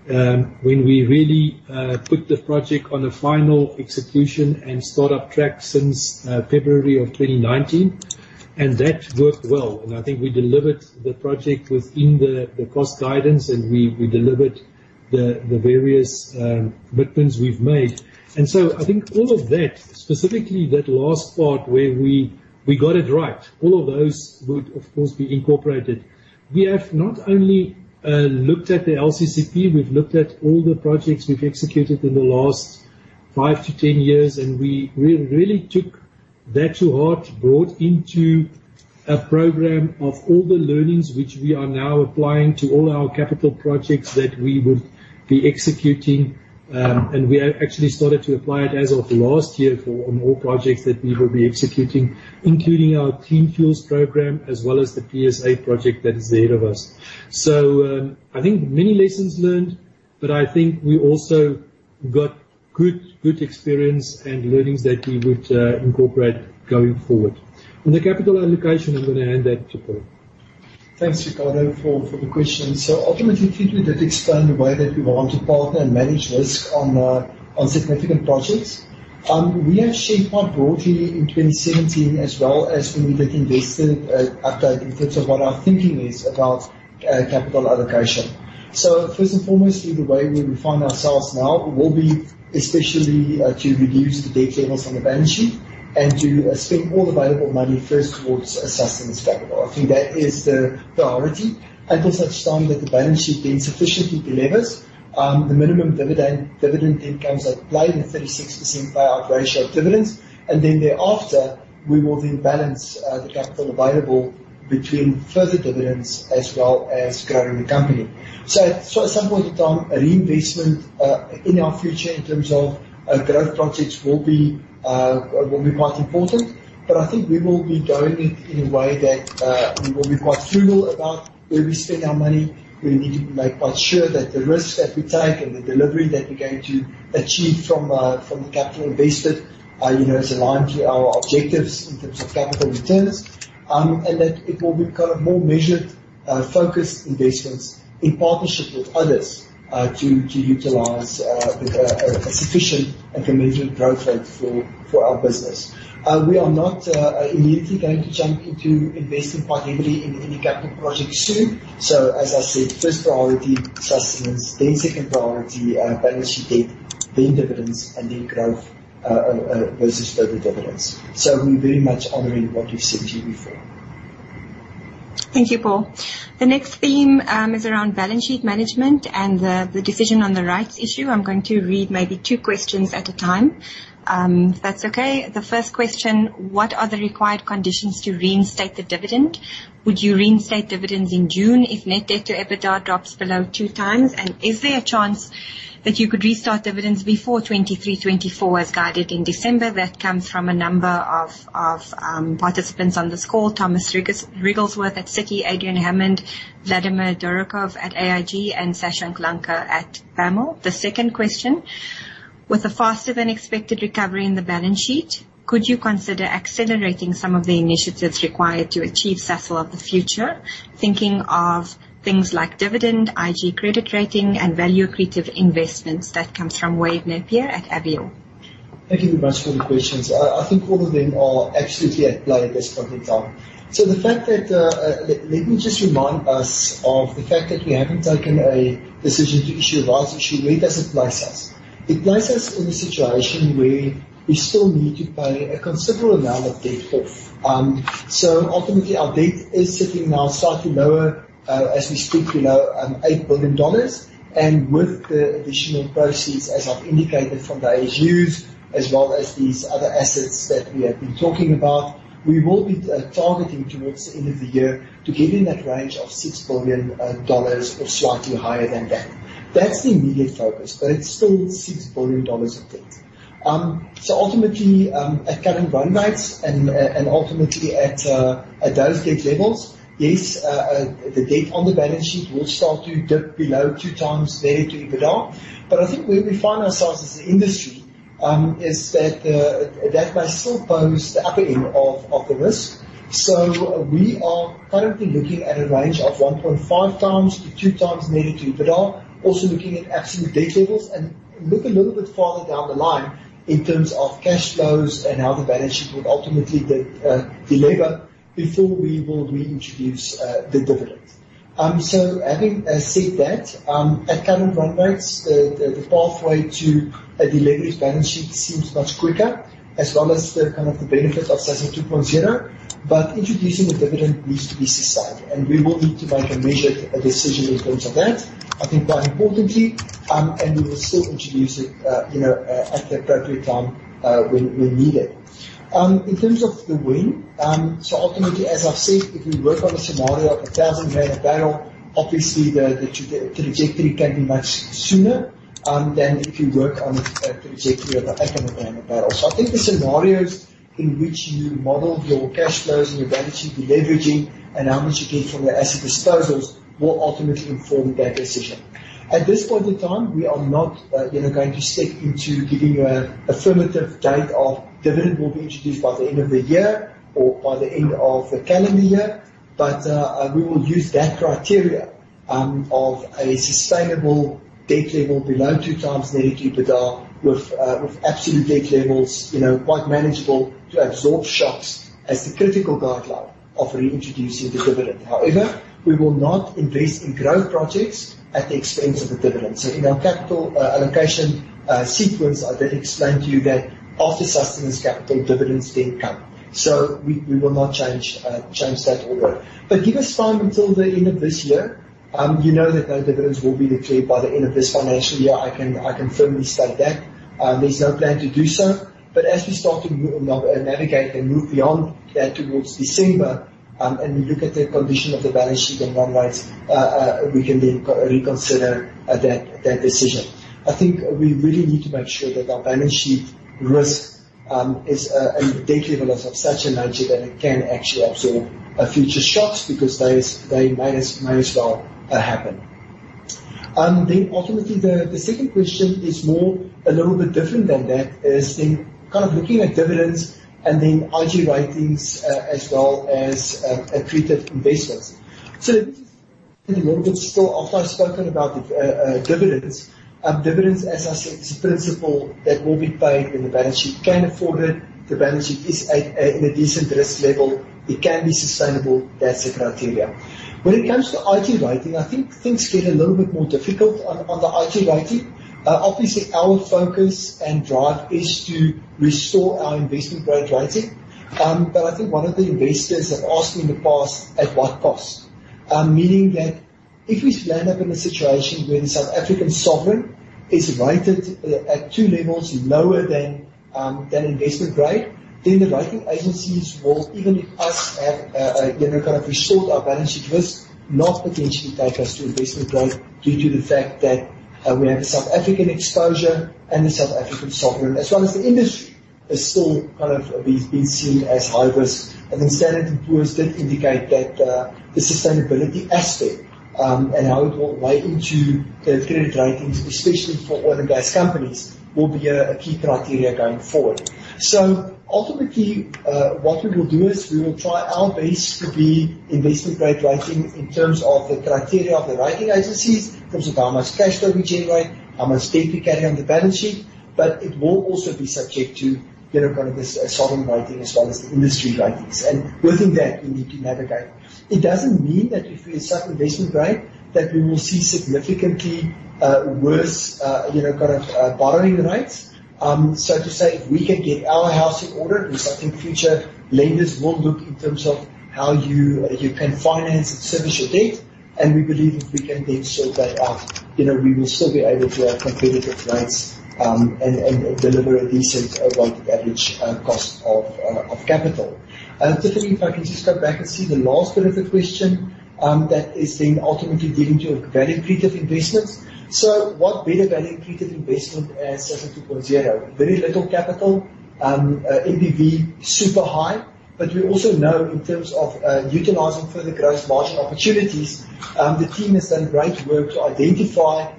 when we really put the project on a final execution and start-up track since February of 2019, that worked well. I think we delivered the project within the cost guidance, we delivered the various commitments we've made. I think all of that, specifically that last part where we got it right, all of those would, of course, be incorporated. We have not only looked at the LCCP, we've looked at all the projects we've executed in the last 5 to 10 years, we really took that to heart, brought into a program of all the learnings which we are now applying to all our capital projects that we would be executing. We actually started to apply it as of last year on all projects that we will be executing, including our Clean Fuels program, as well as the PSA project that is ahead of us. I think many lessons learned, but I think we also got good experience and learnings that we would incorporate going forward. On the capital allocation, I'm going to hand that to Paul. Thanks, Ricardo, for the question. Ultimately, Fleetwood did explain the way that we want to partner and manage risk on significant projects. We have shared quite broadly in 2017 as well as when we did investor update in terms of what our thinking is about capital allocation. First and foremost, the way we find ourselves now will be especially to reduce the debt levels on the balance sheet and to spend all available money first towards sustenance capital. I think that is the priority until such time that the balance sheet then sufficiently delevers. The minimum dividend then comes at play in the 36% payout ratio of dividends. Then thereafter, we will then balance the capital available between further dividends as well as growing the company. At some point in time, reinvestment in our future in terms of growth projects will be quite important. I think we will be doing it in a way that we will be quite frugal about where we spend our money. We need to make quite sure that the risks that we take and the delivery that we're going to achieve from the capital invested is aligned to our objectives in terms of capital returns. That it will be more measured, focused investments in partnership with others, to utilize with a sufficient and committed growth rate for our business. We are not immediately going to jump into investing heavily in any capital projects soon. As I said, first priority, sustenance, then second priority, balance sheet debt, then dividends, and then growth versus further dividends. We're very much honoring what we've said to you before. Thank you, Paul. The next theme is around balance sheet management and the decision on the rights issue. I'm going to read maybe two questions at a time, if that's okay. The first question, what are the required conditions to reinstate the dividend? Would you reinstate dividends in June if net debt to EBITDA drops below two times? Is there a chance that you could restart dividends before 2023/2024 as guided in December? That comes from a number of participants on this call. Thomas Wrigglesworth at Citic, Adrian Hammond, Vladimir Durakov at AIG, and Sashank Lanka at BAML. The second question, with a faster than expected recovery in the balance sheet, could you consider accelerating some of the initiatives required to achieve Sasol of the Future? Thinking of things like dividend, IG credit rating, and value accretive investments. That comes from Wade Napier at Avior. Thank you very much for the questions. I think all of them are absolutely at play at this point in time. Let me just remind us of the fact that we haven't taken a decision to issue a rights issue. Where does it place us? It places us in a situation where we still need to pay a considerable amount of debt off. Ultimately, our debt is sitting now slightly lower, as we speak, below $8 billion. With the additional proceeds, as I've indicated from the ASUs, as well as these other assets that we have been talking about, we will be targeting towards the end of the year to get in that range of $6 billion or slightly higher than that. That's the immediate focus, but it's still $6 billion of debt. Ultimately, at current run rates and ultimately at those debt levels, yes, the debt on the balance sheet will start to dip below 2 times net to EBITDA. I think where we find ourselves as an industry, is that that might still pose the upper end of the risk. We are currently looking at a range of 1.5 times to 2 times net to EBITDA, also looking at absolute debt levels and look a little bit farther down the line in terms of cash flows and how the balance sheet would ultimately delever before we will reintroduce the dividend. Having said that, at current run rates, the pathway to a deleveraged balance sheet seems much quicker, as well as the benefits of Sasol 2.0. Introducing the dividend needs to be decided, and we will need to make a measured decision in terms of that, I think, quite importantly. We will still introduce it at the appropriate time when needed. In terms of the when, ultimately, as I've said, if we work on a scenario of 1,000 megabyte barrel, obviously, the trajectory can be much sooner than if you work on a trajectory of 800 megabyte barrel. I think the scenarios in which you model your cash flows and your balance sheet deleveraging and how much you get from the asset disposals will ultimately inform that decision. At this point in time, we are not going to step into giving you an affirmative date of dividend will be introduced by the end of the year or by the end of the calendar year. We will use that criteria of a sustainable debt level below 2 times net to EBITDA with absolute debt levels quite manageable to absorb shocks as the critical guideline of reintroducing the dividend. However, we will not invest in growth projects at the expense of the dividend. In our capital allocation sequence, I did explain to you that after sustenance capital, dividends then come. We will not change that order. Give us time until the end of this year. You know that no dividends will be declared by the end of this financial year. I can firmly state that. There's no plan to do so. As we start to navigate and move beyond that towards December, and we look at the condition of the balance sheet and run rates, we can then reconsider that decision. I think we really need to make sure that our balance sheet risk and debt levels are of such a nature that it can actually absorb future shocks because they might as well happen. Ultimately, the second question is more, a little bit different than that, is kind of looking at dividends and then IG ratings, as well as accretive investments. A little bit still after I've spoken about the dividends. Dividends, as I said, is a principle that will be paid when the balance sheet can afford it. The balance sheet is in a decent risk level. It can be sustainable. That's the criteria. When it comes to IG rating, I think things get a little bit more difficult on the IG rating. Obviously, our focus and drive is to restore our Investment grade rating. I think one of the investors have asked me in the past, at what cost? Meaning that if we land up in a situation where the South African sovereign is rated at two levels lower than Investment grade, the rating agencies will, even if us have restored our balance sheet risk, not potentially take us to Investment grade due to the fact that we have the South African exposure and the South African sovereign, as well as the industry is still kind of being seen as high risk. S&P Global Ratings did indicate that the sustainability aspect and how it will weigh into the credit ratings, especially for oil and gas companies, will be a key criteria going forward. Ultimately, what we will do is we will try our best to be Investment grade rating in terms of the criteria of the rating agencies, in terms of how much cash flow we generate, how much debt we carry on the balance sheet, but it will also be subject to sovereign rating as well as the industry ratings. Within that, we need to navigate. It doesn't mean that if we are sub-Investment grade that we will see significantly worse borrowing rates. So to say, if we can get our house in order, which I think future lenders will look in terms of how you can finance and service your debt, we believe if we can then sort that out, we will still be able to have competitive rates, and deliver a decent weighted average cost of capital. Tiffany, if I can just go back and see the last bit of the question, that is ultimately getting to value accretive investments. What better value accretive investment as Sasol 2.0? Very little capital, NPV super high. We also know in terms of utilizing further gross margin opportunities, the team has done great work to identify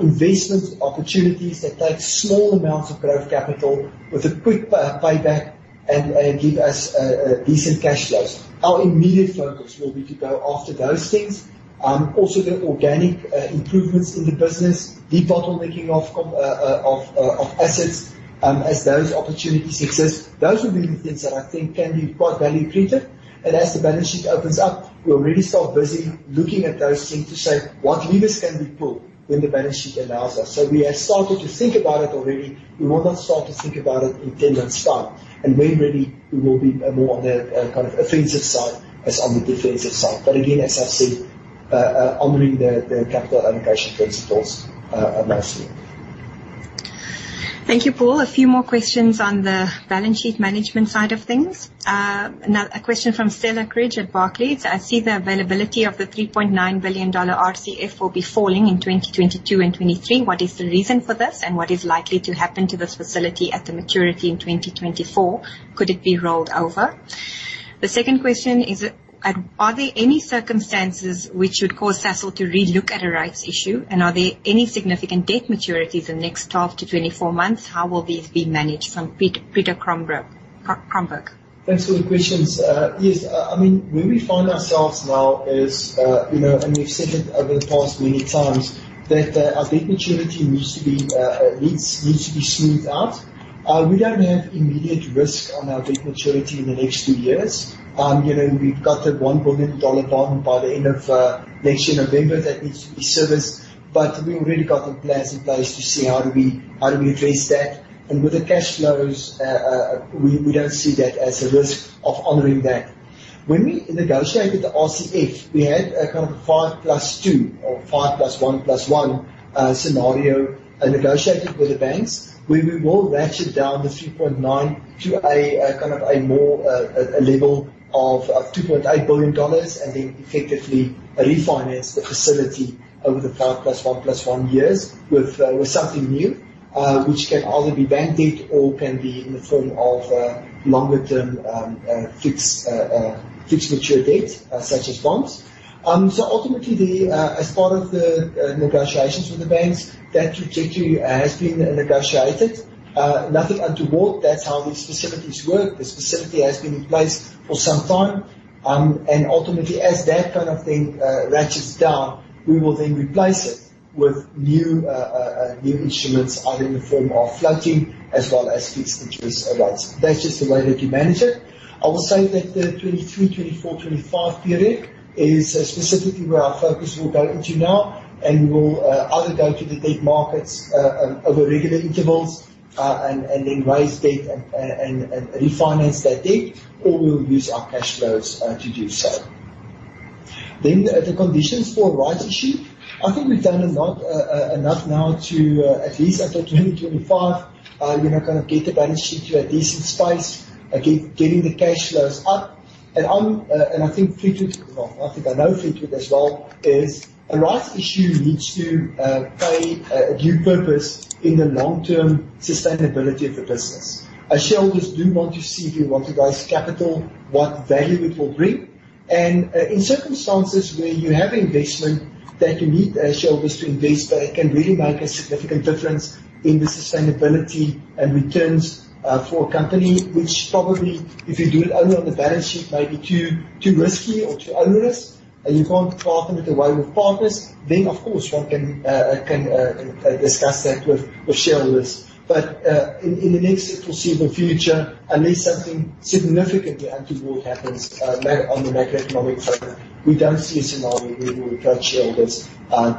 investment opportunities that take small amounts of growth capital with a quick payback and give us decent cash flows. Our immediate focus will be to go after those things. Also the organic improvements in the business, debottlenecking of assets as those opportunities exist. Those will be the things that I think can be quite value accretive. As the balance sheet opens up, we already start busy looking at those things to say, what levers can we pull when the balance sheet allows us? We have started to think about it already. We will not start to think about it in 10 months' time. When ready, we will be more on the offensive side as on the defensive side. Again, as I've said, honoring the capital allocation principles are massive. Thank you, Paul. A few more questions on the balance sheet management side of things. A question from Stella Creed at Barclays. I see the availability of the $3.9 billion RCF will be falling in 2022 and 2023. What is the reason for this, and what is likely to happen to this facility at the maturity in 2024? Could it be rolled over? The second question is, are there any circumstances which would cause Sasol to relook at a rights issue? Are there any significant debt maturities in the next 12 to 24 months? How will these be managed? From Peter Cromberge. Thanks for the questions. Yes. Where we find ourselves now is, we've said it over the past many times, that our debt maturity needs to be smoothed out. We don't have immediate risk on our debt maturity in the next two years. We've got a $1 billion bond by the end of next year, November, that needs to be serviced, but we already got the plans in place to say, how do we address that? With the cash flows, we don't see that as a risk of honoring that. When we negotiated the RCF, we had a kind of a five plus two or five plus one plus one scenario negotiated with the banks, where we will ratchet down the 3.9 to a more of a level of $2.8 billion and then effectively refinance the facility over the five plus one plus one years with something new, which can either be bank debt or can be in the form of longer term fixed mature debt, such as bonds. Ultimately, as part of the negotiations with the banks, that trajectory has been negotiated. Nothing untoward. That's how these facilities work. This facility has been in place for some time. Ultimately, as that kind of thing ratchets down, we will then replace it with new instruments, either in the form of floating as well as fixed interest rates. That's just the way that you manage it. I will say that the 2023, 2024, 2025 period is specifically where our focus will go into now. We will either go to the debt markets over regular intervals, then raise debt and refinance that debt, or we'll use our cash flows to do so. The conditions for rights issue. I think we've done enough now to at least after 2025, kind of get the balance sheet to a decent space, getting the cash flows up. I think Fleetwood as well, I know Fleetwood as well, is a rights issue needs to play a due purpose in the long-term sustainability of the business. Shareholders do want to see if you want to raise capital, what value it will bring. In circumstances where you have investment that you need shareholders to invest, it can really make a significant difference in the sustainability and returns for a company, which probably, if you do it only on the balance sheet, may be too risky or too onerous. You can't partner with the way with partners, of course, one can discuss that with shareholders. In the next foreseeable future, unless something significantly untoward happens on the macroeconomic front, we don't see a scenario where we approach shareholders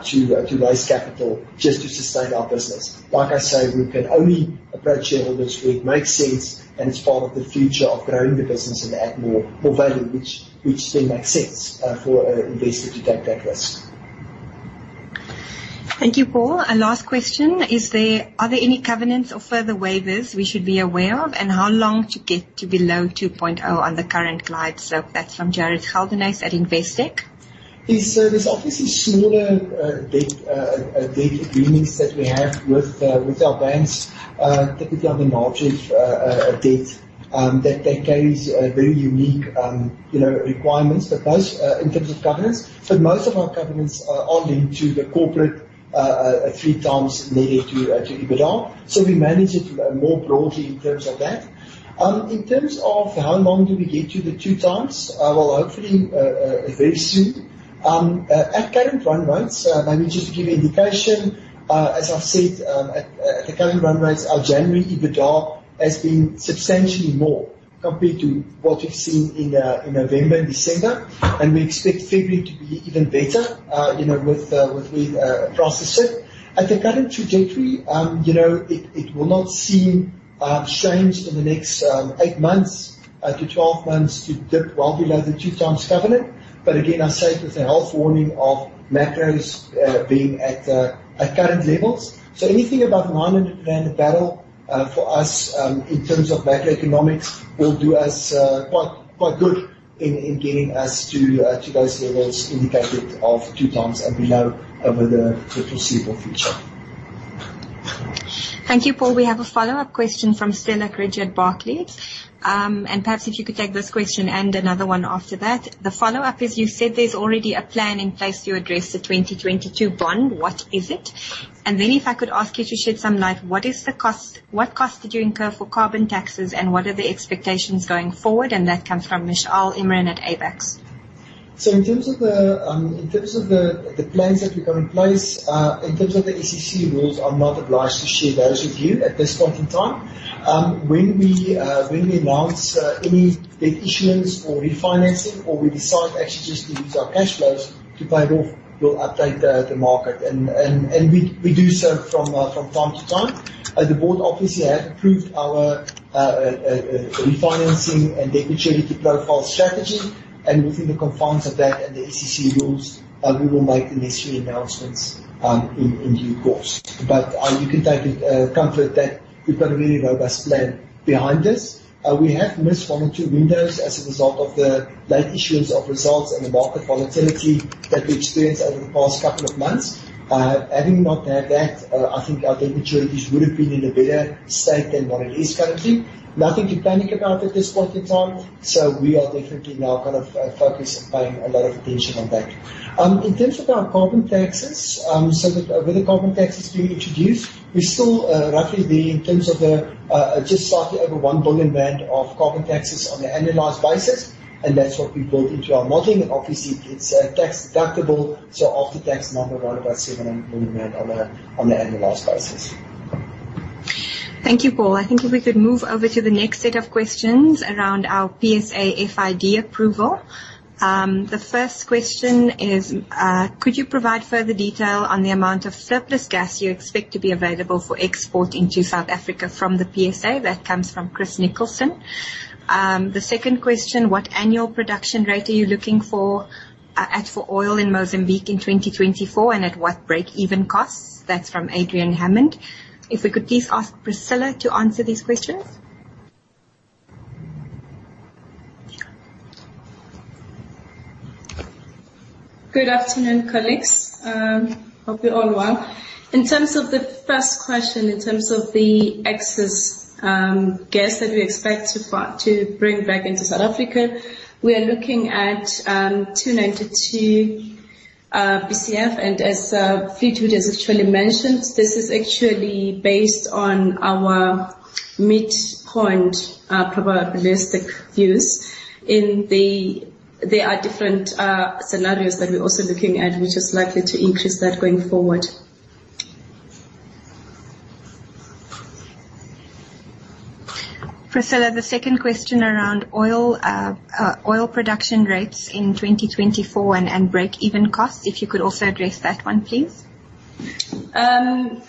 to raise capital just to sustain our business. Like I say, we can only approach shareholders where it makes sense, and it's part of the future of growing the business and add more value, which then makes sense for an investor to take that risk. Thank you, Paul. Last question, are there any covenants or further waivers we should be aware of, and how long to get to below 2.0 on the current glide? That's from Jared Hoover at Investec. There's obviously smaller debt agreements that we have with our banks, particularly on the margin of debt, that carries very unique requirements for those in terms of covenants. Most of our covenants are linked to the corporate 3 times needed to EBITDA. We manage it more broadly in terms of that. In terms of how long do we get to the 2 times, well, hopefully very soon. At current run rates, maybe just to give you indication, as I've said, at the current run rates, our January EBITDA has been substantially more compared to what we've seen in November and December, and we expect February to be even better with pricing. At the current trajectory, it will not seem strange in the next 8 months to 12 months to dip well below the 2 times covenant. I say it with a health warning of macros being at current levels. Anything above ZAR 900 a barrel for us, in terms of macroeconomics, will do us quite good in getting us to those levels indicated of two times and below over the foreseeable future. Thank you, Paul. We have a follow-up question from Stella Cridge, Barclays. Perhaps if you could take this question and another one after that. The follow-up is, you said there's already a plan in place to address the 2022 bond. What is it? Then if I could ask you to shed some light, what cost did you incur for carbon taxes, and what are the expectations going forward? That comes from Mishaal Imran at Abax. In terms of the plans that we got in place, in terms of the SEC rules, I'm not obliged to share those with you at this point in time. When we announce any debt issuance or refinancing, or we decide actually just to use our cash flows to pay it off, we'll update the market. We do so from time to time. The board obviously have approved our refinancing and debenture profile strategy, within the confines of that and the SEC rules, we will make the necessary announcements in due course. You can take comfort that we've got a really robust plan behind us. We have missed one or two windows as a result of the late issuance of results and the market volatility that we experienced over the past couple of months. Having not had that, I think our debentures would have been in a better state than what it is currently. Nothing to panic about at this point in time. We are definitely now kind of focused and paying a lot of attention on that. In terms of our carbon taxes, with the carbon taxes being introduced, we're still roughly there in terms of just slightly over 1 billion rand band of carbon taxes on an annualized basis, that's what we built into our modeling. Obviously, it's tax-deductible, after tax number, around about 700 million on an annualized basis. Thank you, Paul. I think if we could move over to the next set of questions around our PSA FID approval. The first question is could you provide further detail on the amount of surplus gas you expect to be available for export into South Africa from the PSA? That comes from Chris Nicholson. The second question, what annual production rate are you looking for as for oil in Mozambique in 2024, and at what break-even costs? That's from Adrian Hammond. If we could please ask Priscillah to answer these questions. Good afternoon, colleagues. Hope you're all well. In terms of the first question, in terms of the excess gas that we expect to bring back into South Africa, we are looking at 292 Bcf and as Feitua has actually mentioned, this is actually based on our midpoint probabilistic views. There are different scenarios that we're also looking at, which is likely to increase that going forward. Priscillah, the second question around oil production rates in 2024 and break-even costs, if you could also address that one, please.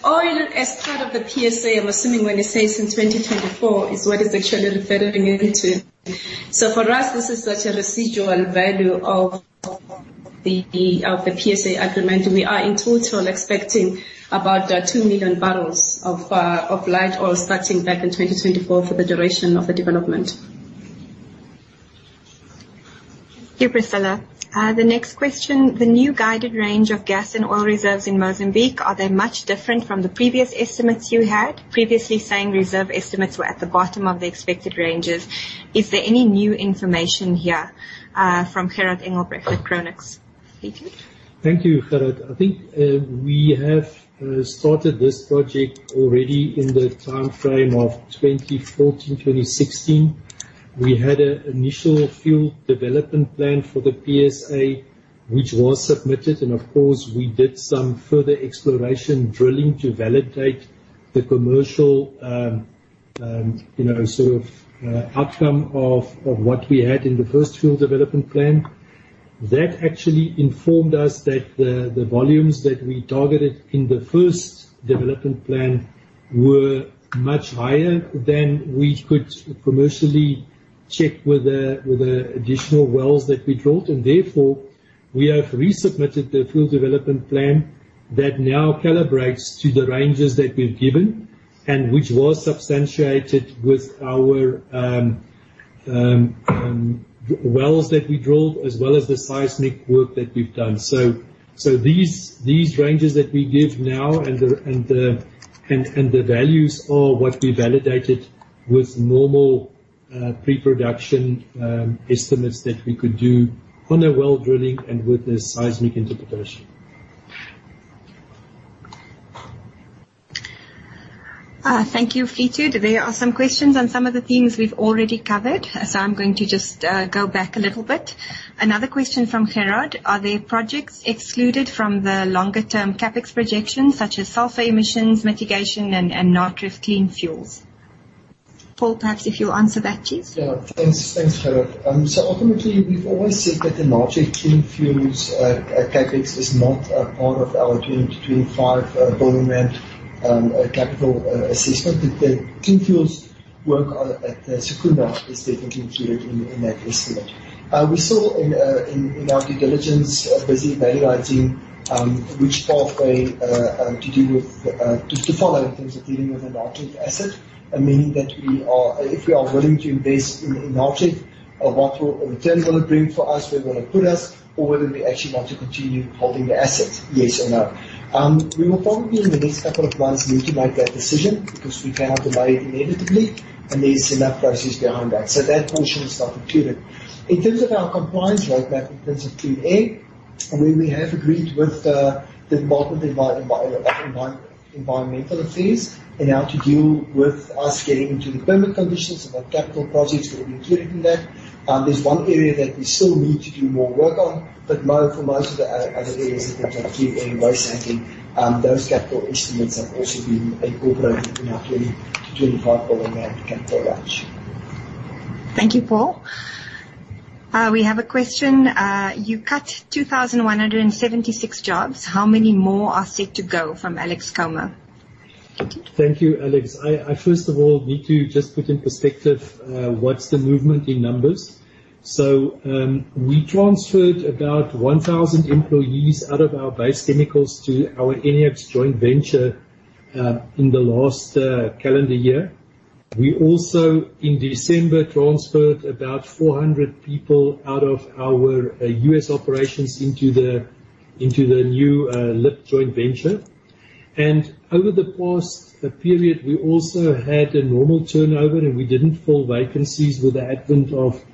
Oil as part of the PSA, I'm assuming when you say since 2024 is what it's actually referring into. For us, this is such a residual value of the PSA agreement. We are in total expecting about 2 million barrels of light oil starting back in 2024 for the duration of the development. Thank you, Priscilla. The next question, the new guided range of gas and oil reserves in Mozambique, are they much different from the previous estimates you had? Previously saying reserve estimates were at the bottom of the expected ranges. Is there any new information here? From Gerhard Engelbrecht at Chronux. Thank you. Thank you, Gerard. I think we have started this project already in the time frame of 2014, 2016. We had an initial field development plan for the PSA which was submitted, and of course, we did some further exploration drilling to validate the commercial outcome of what we had in the first field development plan. That actually informed us that the volumes that we targeted in the first development plan were much higher than we could commercially check with the additional wells that we drilled. Therefore, we have resubmitted the field development plan that now calibrates to the ranges that we've given and which was substantiated with our wells that we drilled as well as the seismic work that we've done. These ranges that we give now and the values are what we validated with normal pre-production estimates that we could do on the well drilling and with the seismic interpretation. Thank you, Fleetwood. There are some questions on some of the themes we've already covered, so I'm going to just go back a little bit. Another question from Gerard. Are there projects excluded from the longer-term CapEx projections such as sulfur emissions mitigation and Natref Clean Fuels? Paul, perhaps if you'll answer that, please. Thanks, Gerhard. Ultimately, we've always said that the Natref Clean Fuels CapEx is not a part of our 20 billion-25 billion capital assessment. The Clean Fuels work at Secunda is definitely included in that estimate. We still, in our due diligence, are busy valuating which pathway to follow in terms of dealing with the Natref asset, meaning that if we are willing to invest in Natref, what return will it bring for us, where will it put us, or whether we actually want to continue holding the asset, yes or no. We will probably, in the next couple of months, need to make that decision because we cannot delay it inevitably, and there's enough process behind that. That portion is not included. In terms of our compliance roadmap, in terms of Tier A, where we have agreed with the Department of Environmental Affairs in how to deal with us getting into the permit conditions and what capital projects will be included in that. There's one area that we still need to do more work on, but for most of the other areas in terms of Tier A and waste handling, those capital estimates have also been incorporated in our ZAR 20 billion-ZAR 25 billion capital tranche. Thank you, Paul. We have a question. You cut 2,176 jobs. How many more are set to go? From Alex Comer. Thank you, Alex. I first of all need to just put in perspective what's the movement in numbers. We transferred about 1,000 employees out of our base chemicals to our Enaex joint venture in the last calendar year. We also, in December, transferred about 400 people out of our U.S. operations into the new LIP joint venture. Over the past period, we also had a normal turnover, and we didn't fill vacancies with the advent of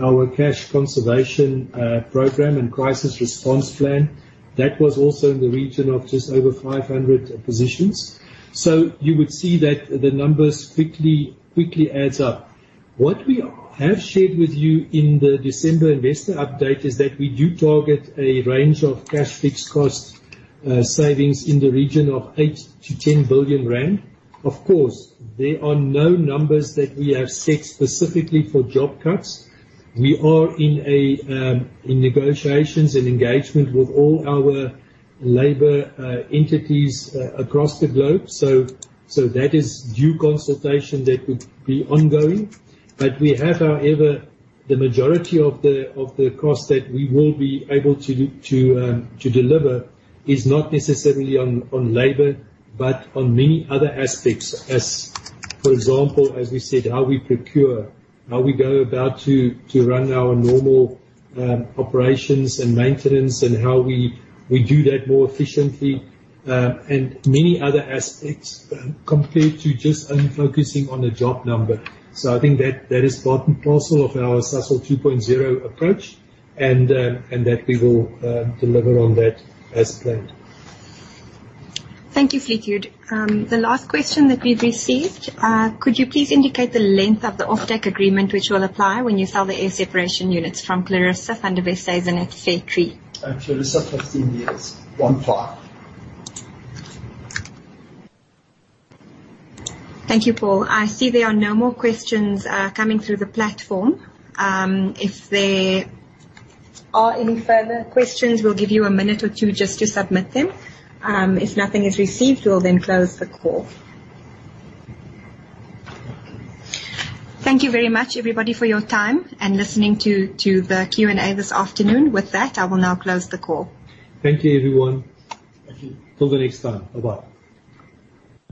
our cash conservation program and crisis response plan. That was also in the region of just over 500 positions. You would see that the numbers quickly adds up. What we have shared with you in the December investor update is that we do target a range of cash fixed cost savings in the region of 8 billion-10 billion rand. Of course, there are no numbers that we have set specifically for job cuts. We are in negotiations and engagement with all our labor entities across the globe. That is due consultation that would be ongoing. We have, however, the majority of the cost that we will be able to deliver is not necessarily on labor, but on many other aspects. For example, as we said, how we procure, how we go about to run our normal operations and maintenance, and how we do that more efficiently, and many other aspects compared to just only focusing on a job number. I think that is part and parcel of our Sasol 2.0 approach, and that we will deliver on that as planned. Thank you, Fleetwood. The last question that we've received, could you please indicate the length of the off-deck agreement which will apply when you sell the air separation units from Clarissa Appanna at Fairtree? Clarissa, 15 years, 15. Thank you, Paul. I see there are no more questions coming through the platform. If there are any further questions, we'll give you a minute or two just to submit them. If nothing is received, we'll then close the call. Thank you very much, everybody, for your time and listening to the Q&A this afternoon. With that, I will now close the call. Thank you, everyone. Thank you. Till the next time. Bye-bye.